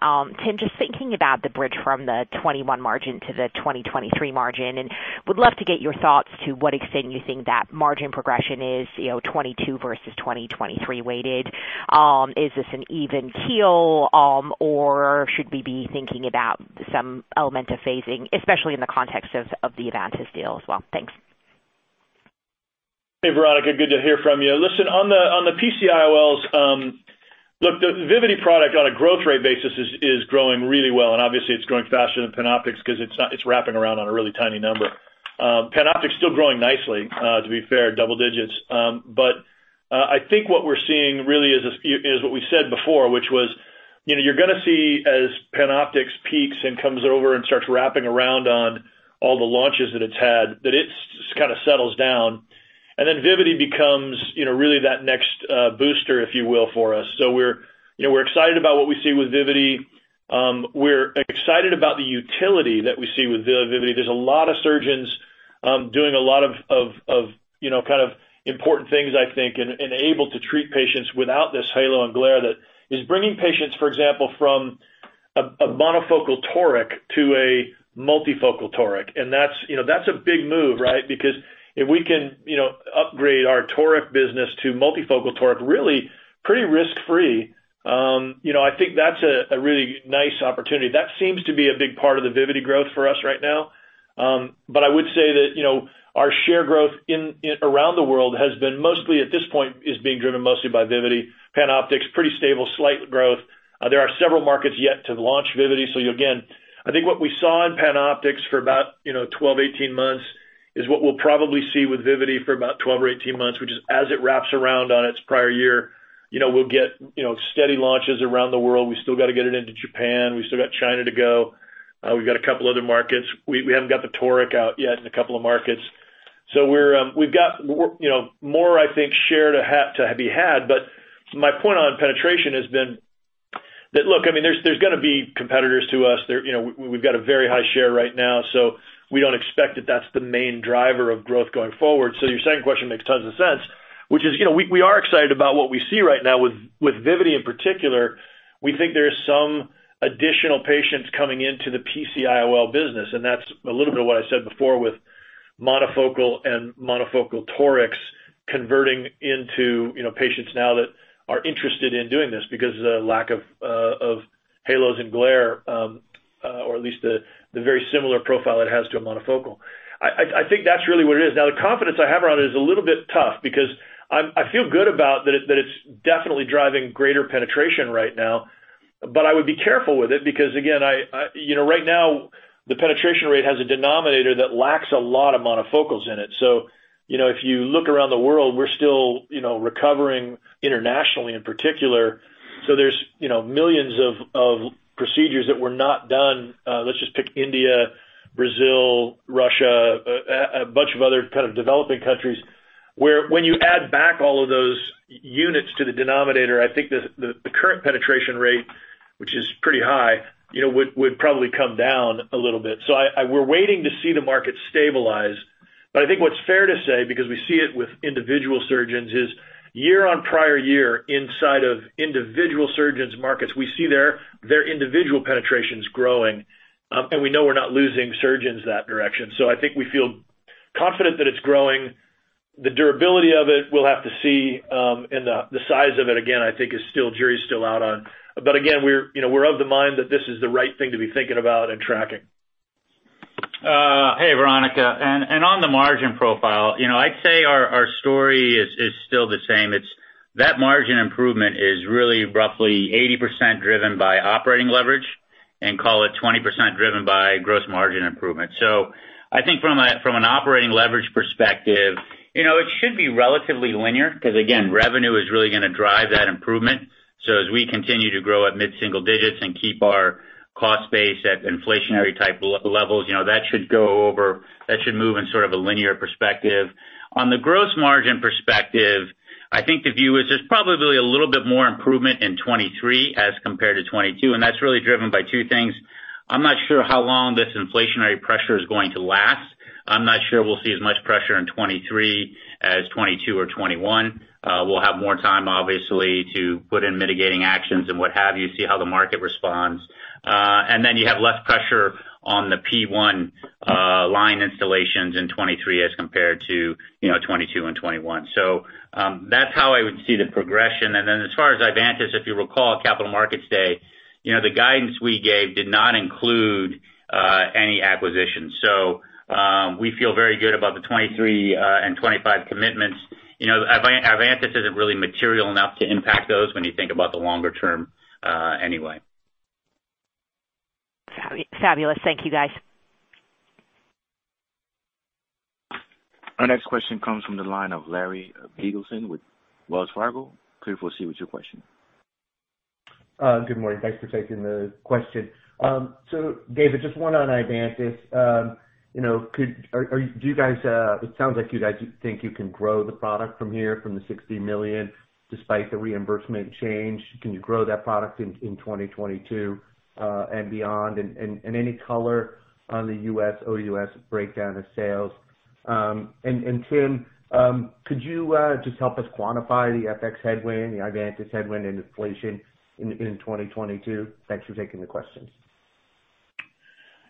[SPEAKER 8] Tim, just thinking about the bridge from the 2021 margin to the 2023 margin, and would love to get your thoughts as to what extent you think that margin progression is, you know, 2022 versus 2023 weighted. Is this an even keel, or should we be thinking about some element of phasing, especially in the context of the Ivantis deal as well? Thanks.
[SPEAKER 3] Hey, Veronika, good to hear from you. Listen, on the PCIOLs, look, the Vivity product on a growth rate basis is growing really well, and obviously it's growing faster than PanOptix because it's wrapping around on a really tiny number. PanOptix still growing nicely, to be fair, double digits. I think what we're seeing really is what we said before, which was, you know, you're gonna see as PanOptix peaks and comes over and starts wrapping around on all the launches that it's had, that it sort of settles down. Vivity becomes, you know, really that next booster, if you will, for us. We're, you know, we're excited about what we see with Vivity. We're excited about the utility that we see with Vivity. There's a lot of surgeons doing a lot of, you know, kind of important things, I think, and able to treat patients without this halo and glare that is bringing patients, for example, from a monofocal toric to a multifocal toric. That's, you know, that's a big move, right? Because if we can, you know, upgrade our toric business to multifocal toric, really pretty risk-free, you know, I think that's a really nice opportunity. That seems to be a big part of the Vivity growth for us right now. I would say that, you know, our share growth in around the world has been mostly, at this point, is being driven mostly by Vivity. PanOptix, pretty stable, slight growth. There are several markets yet to launch Vivity. Again, I think what we saw in PanOptix for about, you know, 12-18 months is what we'll probably see with Vivity for about 12 or 18 months, which is as it wraps around on its prior year, you know, we'll get, you know, steady launches around the world. We still gotta get it into Japan. We still got China to go. We've got a couple other markets. We haven't got the Toric out yet in a couple of markets. We've got, you know, more, I think, share to be had, but my point on penetration has been that, look, I mean, there's gonna be competitors to us. There, you know, we've got a very high share right now, so we don't expect that that's the main driver of growth going forward. Your second question makes tons of sense, which is, you know, we are excited about what we see right now with Vivity in particular. We think there's some additional patients coming into the PCIOL business, and that's a little bit of what I said before with monofocal and monofocal Torics converting into, you know, patients now that are interested in doing this because of the lack of halos and glare, or at least the very similar profile it has to a monofocal. I think that's really what it is. Now, the confidence I have around it is a little bit tough because I feel good about that it's definitely driving greater penetration right now, but I would be careful with it because again, you know, right now the penetration rate has a denominator that lacks a lot of monofocals in it. You know, if you look around the world, we're still recovering internationally in particular. There's you know, millions of procedures that were not done. Let's just pick India, Brazil, Russia, a bunch of other kind of developing countries, where when you add back all of those units to the denominator, I think the current penetration rate, which is pretty high, you know, would probably come down a little bit. We're waiting to see the market stabilize. I think what's fair to say, because we see it with individual surgeons, is year-over-year inside of individual surgeons markets, we see their individual penetrations growing, and we know we're not losing surgeons that direction. I think we feel confident that it's growing. The durability of it, we'll have to see, and the size of it again, I think is still jury's out on. Again, we're, you know, of the mind that this is the right thing to be thinking about and tracking.
[SPEAKER 4] Hey, Veronika, on the margin profile, you know, I'd say our story is still the same. It's that margin improvement is really roughly 80% driven by operating leverage and call it 20 driven by gross margin improvement. I think from an operating leverage perspective, you know, it should be relatively linear, 'cause again, revenue is really gonna drive that improvement. As we continue to grow at mid-single digits and keep our cost base at inflationary type levels, you know, that should go over, that should move in sort of a linear perspective. On the gross margin perspective, I think the view is there's probably a little bit more improvement in 2023 as compared to 2022, and that's really driven by two things. I'm not sure how long this inflationary pressure is going to last. I'm not sure we'll see as much pressure in 2023 as 2022 or 2021. We'll have more time, obviously, to put in mitigating actions and what have you, see how the market responds. You have less pressure on the P-1 line installations in 2023 as compared to, you know, 2022 and 2021. That's how I would see the progression. As far as Ivantis, if you recall, Capital Markets Day, you know, the guidance we gave did not include any acquisitions. We feel very good about the 2023 and 2025 commitments. You know, Ivantis isn't really material enough to impact those when you think about the longer term, anyway.
[SPEAKER 8] Fabulous. Thank you guys.
[SPEAKER 1] Our next question comes from the line of Larry Biegelsen with Wells Fargo. Please proceed with your question.
[SPEAKER 9] Good morning. Thanks for taking the question. David, just one on Ivantis. You know, do you guys think you can grow the product from here, from the $60 million, despite the reimbursement change. Can you grow that product in 2022 and beyond? Any color on the U.S., OUS breakdown of sales. Tim, could you just help us quantify the FX headwind, the Ivantis headwind, and inflation in 2022? Thanks for taking the questions.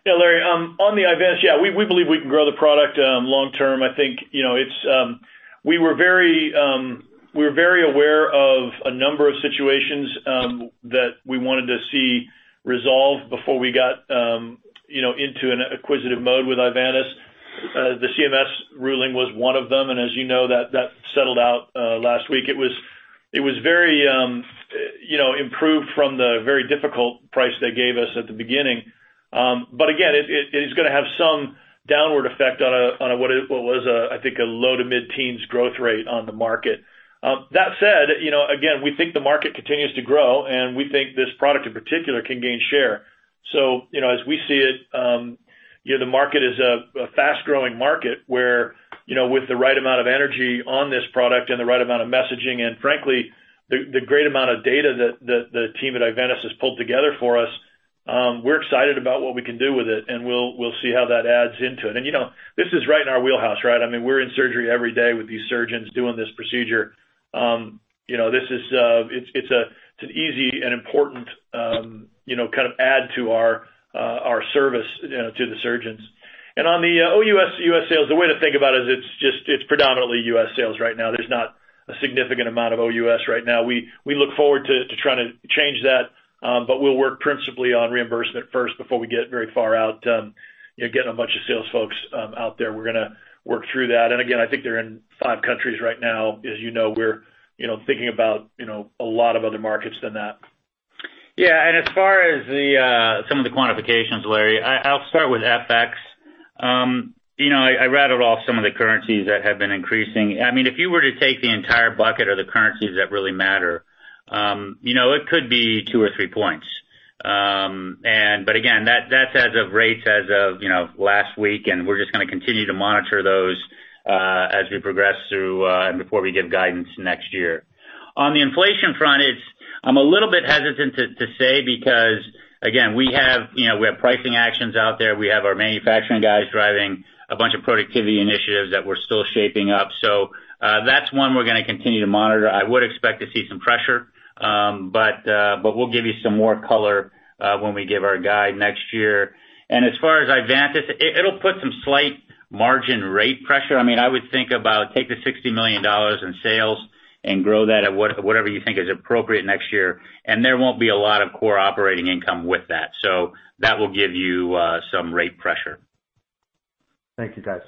[SPEAKER 3] Yeah, Larry, on the Ivantis, yeah, we believe we can grow the product long term. I think, you know, it's. We were very aware of a number of situations that we wanted to see resolve before we got, you know, into an acquisitive mode with Ivantis. The CMS ruling was one of them, and as you know, that settled out last week. It was very, you know, improved from the very difficult price they gave us at the beginning. But again, it is gonna have some downward effect on what was, I think, a low- to mid-teens% growth rate on the market. That said, you know, again, we think the market continues to grow, and we think this product in particular can gain share. You know, as we see it, you know, the market is a fast-growing market, where, you know, with the right amount of energy on this product and the right amount of messaging, and frankly, the great amount of data that the team at Ivantis has pulled together for us, we're excited about what we can do with it, and we'll see how that adds into it. You know, this is right in our wheelhouse, right? I mean, we're in surgery every day with these surgeons doing this procedure. You know, this is, it's an easy and important, you know, kind of add to our service to the surgeons. On the OUS, US sales, the way to think about it is it's just predominantly US sales right now. There's not a significant amount of OUS right now. We look forward to trying to change that, but we'll work principally on reimbursement first before we get very far out, getting a bunch of sales folks out there. We're gonna work through that. I think they're in five countries right now. As you know, we're thinking about a lot of other markets than that.
[SPEAKER 4] Yeah, as far as some of the quantifications, Larry, I'll start with FX. You know, I rattled off some of the currencies that have been increasing. I mean, if you were to take the entire bucket of the currencies that really matter, you know, it could be two or three points. Again, that's as of rates as of, you know, last week, and we're just gonna continue to monitor those as we progress through and before we give guidance next year. On the inflation front, I'm a little bit hesitant to say because, again, we have, you know, pricing actions out there. We have our manufacturing guys driving a bunch of productivity initiatives that we're still shaping up. That's one we're gonna continue to monitor. I would expect to see some pressure, but we'll give you some more color when we give our guide next year. As far as Ivantis, it'll put some slight margin rate pressure. I mean, I would think about take the $60 million in sales and grow that at whatever you think is appropriate next year, and there won't be a lot of core operating income with that. That will give you some rate pressure.
[SPEAKER 9] Thank you, guys.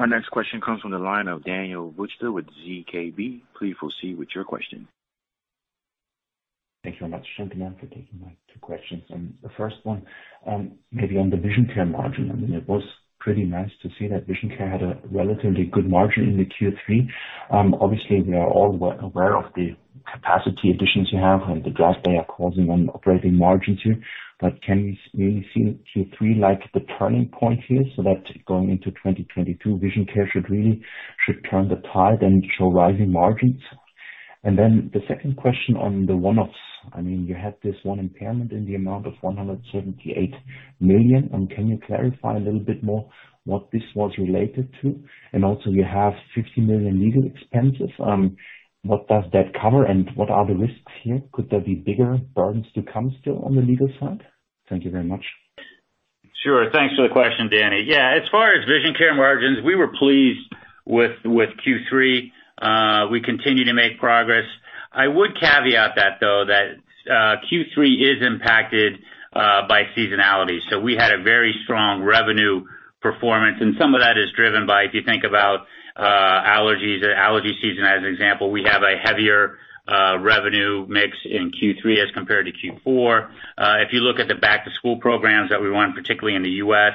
[SPEAKER 1] Our next question comes from the line of Daniel Buchta with ZKB. Please proceed with your question.
[SPEAKER 10] Thank you very much. Thank you for taking my two questions. The first one, maybe on the Vision Care margin. I mean, it was pretty nice to see that Vision Care had a relatively good margin in the Q3. Obviously, we are all aware of the capacity additions you have and the drag they are causing on operating margins here. Can we maybe see Q3 like the turning point here, so that going into 2022 Vision Care should really turn the tide and show rising margins? The second question on the one-offs, I mean, you had this one impairment in the amount of $178 million. Can you clarify a little bit more what this was related to? You have $50 million legal expenses. What does that cover? What are the risks here? Could there be bigger burdens to come still on the legal side? Thank you very much.
[SPEAKER 4] Sure. Thanks for the question, Danny. Yeah, as far as Vision Care margins, we were pleased with Q3. We continue to make progress. I would caveat that though, that Q3 is impacted by seasonality. We had a very strong revenue performance, and some of that is driven by, if you think about, allergies or allergy season as an example, we have a heavier revenue mix in Q3 as compared to Q4. If you look at the back-to-school programs that we run, particularly in the U.S.,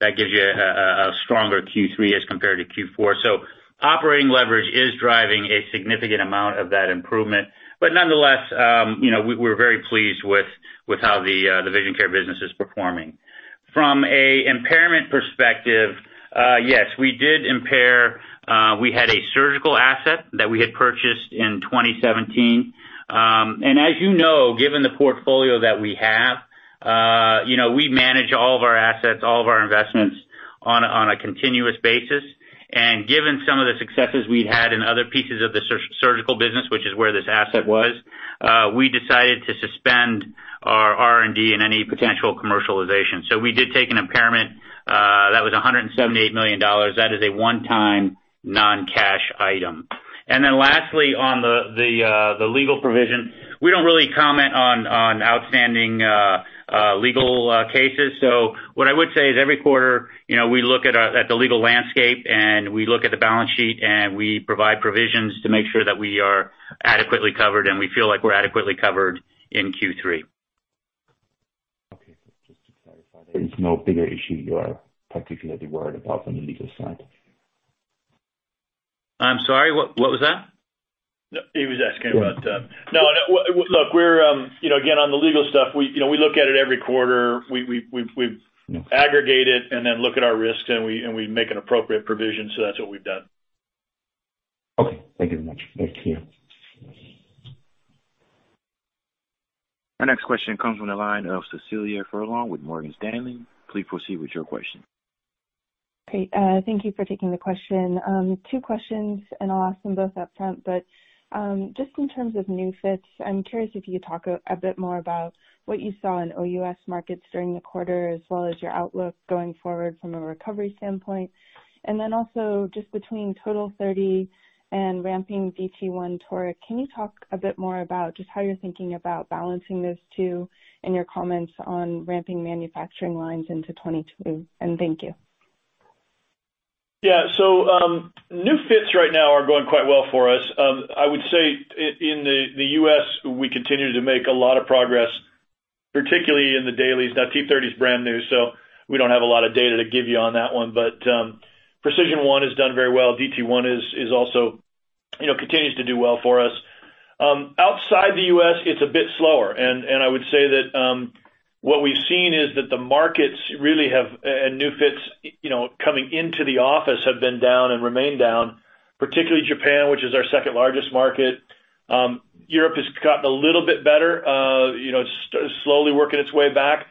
[SPEAKER 4] that gives you a stronger Q3 as compared to Q4. Operating leverage is driving a significant amount of that improvement. Nonetheless, you know, we're very pleased with how the Vision Care business is performing. From an impairment perspective, yes, we did impair, we had a surgical asset that we had purchased in 2017. As you know, given the portfolio that we have, you know, we manage all of our assets, all of our investments on a continuous basis. Given some of the successes we've had in other pieces of the surgical business, which is where this asset was, we decided to suspend our R&D and any potential commercialization. We did take an impairment, that was $178 million. That is a one-time non-cash item. Then lastly, on the legal provision, we don't really comment on outstanding legal cases. What I would say is every quarter, you know, we look at the legal landscape and we look at the balance sheet, and we provide provisions to make sure that we are adequately covered, and we feel like we're adequately covered in Q3.
[SPEAKER 10] Okay. Just to clarify, there is no bigger issue you are particularly worried about from the legal side?
[SPEAKER 4] I'm sorry, what was that?
[SPEAKER 3] He was asking about.
[SPEAKER 4] No, look, we're, you know, again, on the legal stuff, we, you know, we look at it every quarter. We aggregate it and then look at our risks, and we make an appropriate provision, so that's what we've done.
[SPEAKER 10] Okay. Thank you very much. Thank you.
[SPEAKER 1] Our next question comes from the line of Cecilia Furlong with Morgan Stanley. Please proceed with your question.
[SPEAKER 11] Great. Thank you for taking the question. Two questions, and I'll ask them both up front. Just in terms of new fits, I'm curious if you could talk a bit more about what you saw in OUS markets during the quarter, as well as your outlook going forward from a recovery standpoint. Then also, just between total thirty and ramping DT1 Toric, can you talk a bit more about just how you're thinking about balancing those two in your comments on ramping manufacturing lines into 2022? Thank you.
[SPEAKER 3] Yeah. New fits right now are going quite well for us. I would say in the U.S., we continue to make a lot of progress, particularly in the dailies. Now, T30 is brand new, so we don't have a lot of data to give you on that one. PRECISION1 has done very well. DT1 is also, you know, continues to do well for us. Outside the U.S., it's a bit slower. I would say that what we've seen is that the markets really have and new fits you know coming into the office have been down and remain down, particularly Japan, which is our second largest market. Europe has gotten a little bit better, you know, slowly working its way back.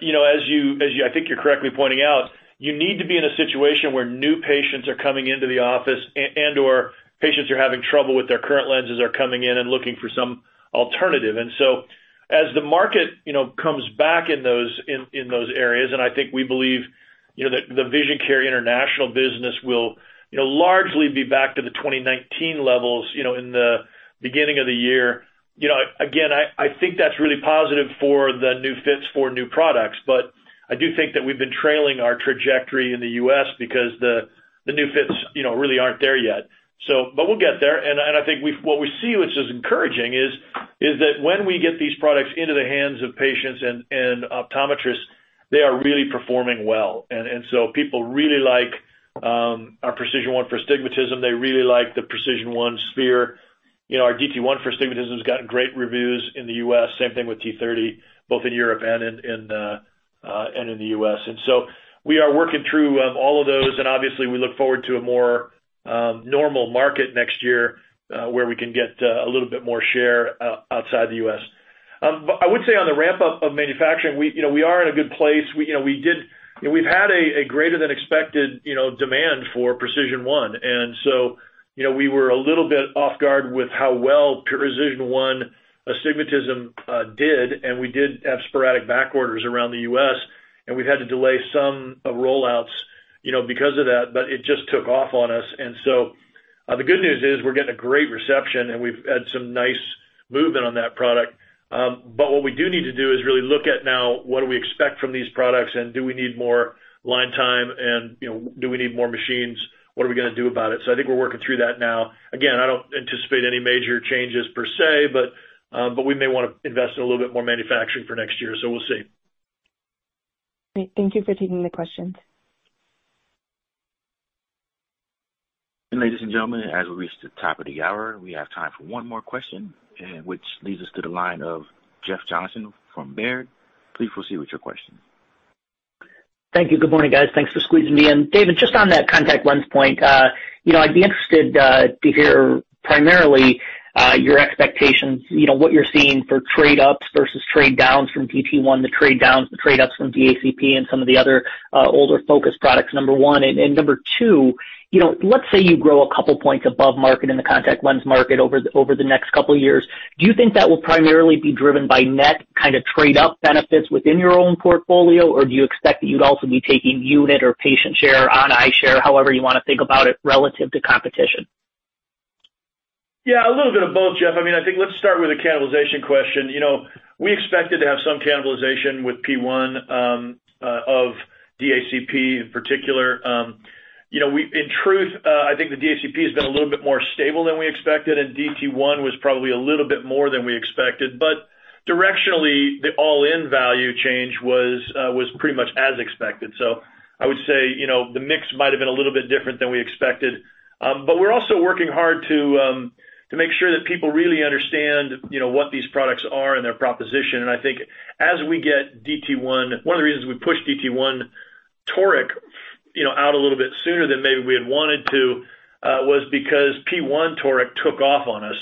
[SPEAKER 3] You know, as you, I think you're correctly pointing out, you need to be in a situation where new patients are coming into the office and/or patients who are having trouble with their current lenses are coming in and looking for some alternative. As the market, you know, comes back in those areas, and I think we believe, you know, the Vision Care International business will, you know, largely be back to the 2019 levels, you know, in the beginning of the year. You know, again, I think that's really positive for the new fits for new products. I do think that we've been trailing our trajectory in the U.S. because the new fits, you know, really aren't there yet, so. We'll get there, and I think what we see, which is encouraging, is that when we get these products into the hands of patients and optometrists, they are really performing well. People really like our PRECISION1 for Astigmatism. They really like the PRECISION1 Sphere. You know, our DT1 for astigmatism has gotten great reviews in the U.S. Same thing with T30, both in Europe and in the U.S. We are working through all of those, and obviously, we look forward to a more normal market next year, where we can get a little bit more share outside the U.S. I would say on the ramp-up of manufacturing, you know, we are in a good place. You know, we've had a greater than expected, you know, demand for PRECISION1. You know, we were a little bit off guard with how well PRECISION1 for Astigmatism did, and we did have sporadic back orders around the U.S., and we've had to delay some of rollouts, you know, because of that, but it just took off on us. The good news is we're getting a great reception and we've had some nice movement on that product. What we do need to do is really look at now what do we expect from these products and do we need more line time and, you know, do we need more machines? What are we gonna do about it? I think we're working through that now. Again, I don't anticipate any major changes per se, but we may wanna invest in a little bit more manufacturing for next year, so we'll see.
[SPEAKER 11] Great. Thank you for taking the questions.
[SPEAKER 1] Ladies and gentlemen, as we reach the top of the hour, we have time for one more question, which leads us to the line of Jeff Johnson from Baird. Please proceed with your question.
[SPEAKER 12] Thank you. Good morning, guys. Thanks for squeezing me in. David Endicott, just on that contact lens point, you know, I'd be interested to hear primarily your expectations, you know, what you're seeing for trade-ups versus trade-downs from DT1, the trade-downs, the trade-ups from DACP and some of the other older focus products, number one. Number two, you know, let's say you grow a couple points above market in the contact lens market over the next couple of years, do you think that will primarily be driven by net kind of trade-up benefits within your own portfolio? Or do you expect that you'd also be taking unit or patient share on eye share, however you wanna think about it relative to competition?
[SPEAKER 3] Yeah, a little bit of both, Jeff. I mean, I think let's start with the cannibalization question. You know, we expected to have some cannibalization with P1, of DACP in particular. You know, in truth, I think the DACP has been a little bit more stable than we expected, and DT1 was probably a little bit more than we expected. But directionally, the all-in value change was pretty much as expected. So I would say, you know, the mix might have been a little bit different than we expected. But we're also working hard to make sure that people really understand, you know, what these products are and their proposition. And I think as we get DT1... One of the reasons we pushed DT1 Toric, you know, out a little bit sooner than maybe we had wanted to, was because P1 Toric took off on us.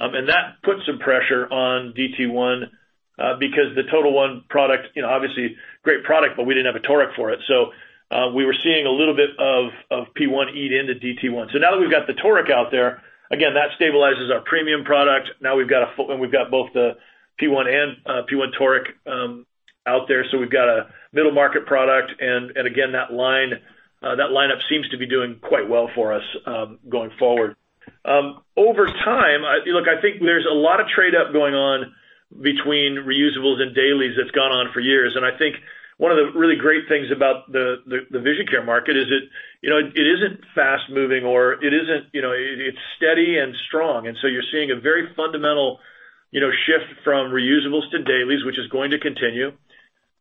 [SPEAKER 3] That put some pressure on DT1, because the TOTAL1 product, you know, obviously great product, but we didn't have a toric for it. We were seeing a little bit of P1 eat into DT1. Now that we've got the toric out there, again, that stabilizes our premium product. Now we've got both the P1 and P1 Toric out there, so we've got a middle market product and again, that lineup seems to be doing quite well for us, going forward. Over time, Look, I think there's a lot of trade-up going on between reusables and dailies that's gone on for years. I think one of the really great things about the vision care market is it, you know, it isn't fast-moving, you know, it's steady and strong. You're seeing a very fundamental, you know, shift from reusables to dailies, which is going to continue.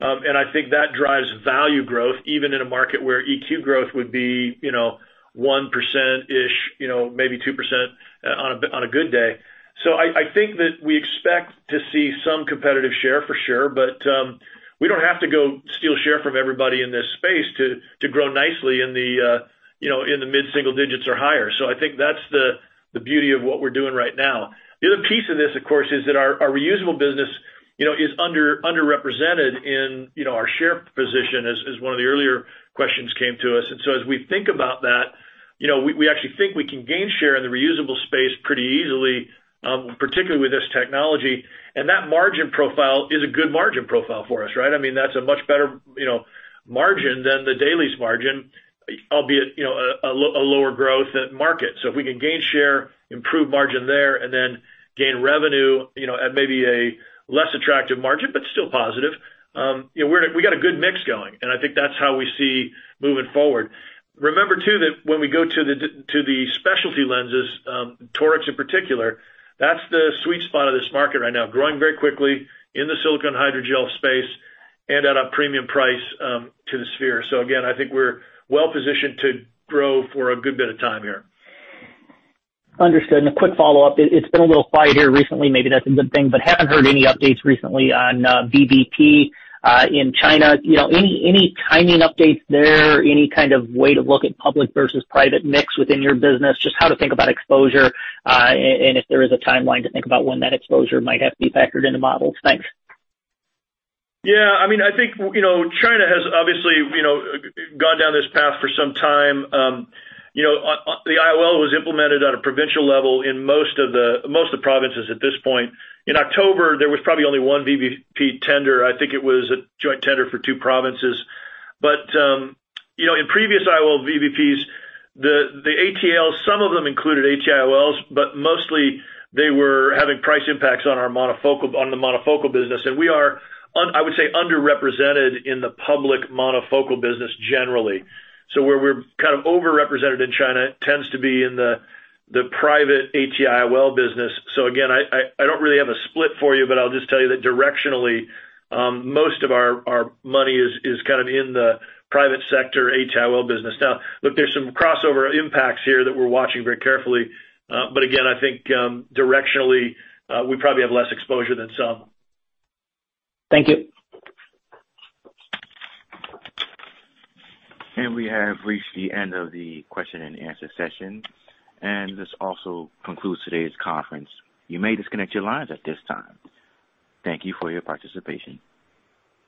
[SPEAKER 3] I think that drives value growth even in a market where EQ growth would be, you know, 1%-ish, you know, maybe 2% on a good day. I think that we expect to see some competitive share for sure, but we don't have to go steal share from everybody in this space to grow nicely in the mid-single digits% or higher. I think that's the beauty of what we're doing right now. The other piece of this, of course, is that our reusable business, you know, is underrepresented in our share position as one of the earlier questions came to us. As we think about that, you know, we actually think we can gain share in the reusable space pretty easily, particularly with this technology. That margin profile is a good margin profile for us, right? I mean, that's a much better, you know, margin than the dailies margin, albeit, you know, a lower growth at market. If we can gain share, improve margin there, and then gain revenue, you know, at maybe a less attractive margin, but still positive, you know, we got a good mix going, and I think that's how we see moving forward. Remember too that when we go to the specialty lenses, torics in particular, that's the sweet spot of this market right now, growing very quickly in the silicone hydrogel space and at a premium price, to the sphere. Again, I think we're well-positioned to grow for a good bit of time here.
[SPEAKER 12] Understood. A quick follow-up. It's been a little quiet here recently, maybe that's a good thing, but haven't heard any updates recently on VBP in China. You know, any timing updates there? Any kind of way to look at public versus private mix within your business? Just how to think about exposure and if there is a timeline to think about when that exposure might have to be factored into models. Thanks.
[SPEAKER 3] Yeah, I mean, I think, you know, China has obviously, you know, gone down this path for some time. The IOL was implemented on a provincial level in most of the provinces at this point. In October, there was probably only one VBP tender. I think it was a joint tender for two provinces. In previous IOL VBPs, the ATIOL, some of them included ATIOLs, but mostly they were having price impacts on our monofocal business. We are under, I would say, underrepresented in the public monofocal business generally. Where we're kind of overrepresented in China tends to be in the private ATIOL business. Again, I don't really have a split for you, but I'll just tell you that directionally, most of our money is kind of in the private sector ATIOL business. Now, look, there's some crossover impacts here that we're watching very carefully. Again, I think, directionally, we probably have less exposure than some.
[SPEAKER 12] Thank you.
[SPEAKER 1] We have reached the end of the question and answer session, and this also concludes today's conference. You may disconnect your lines at this time. Thank you for your participation.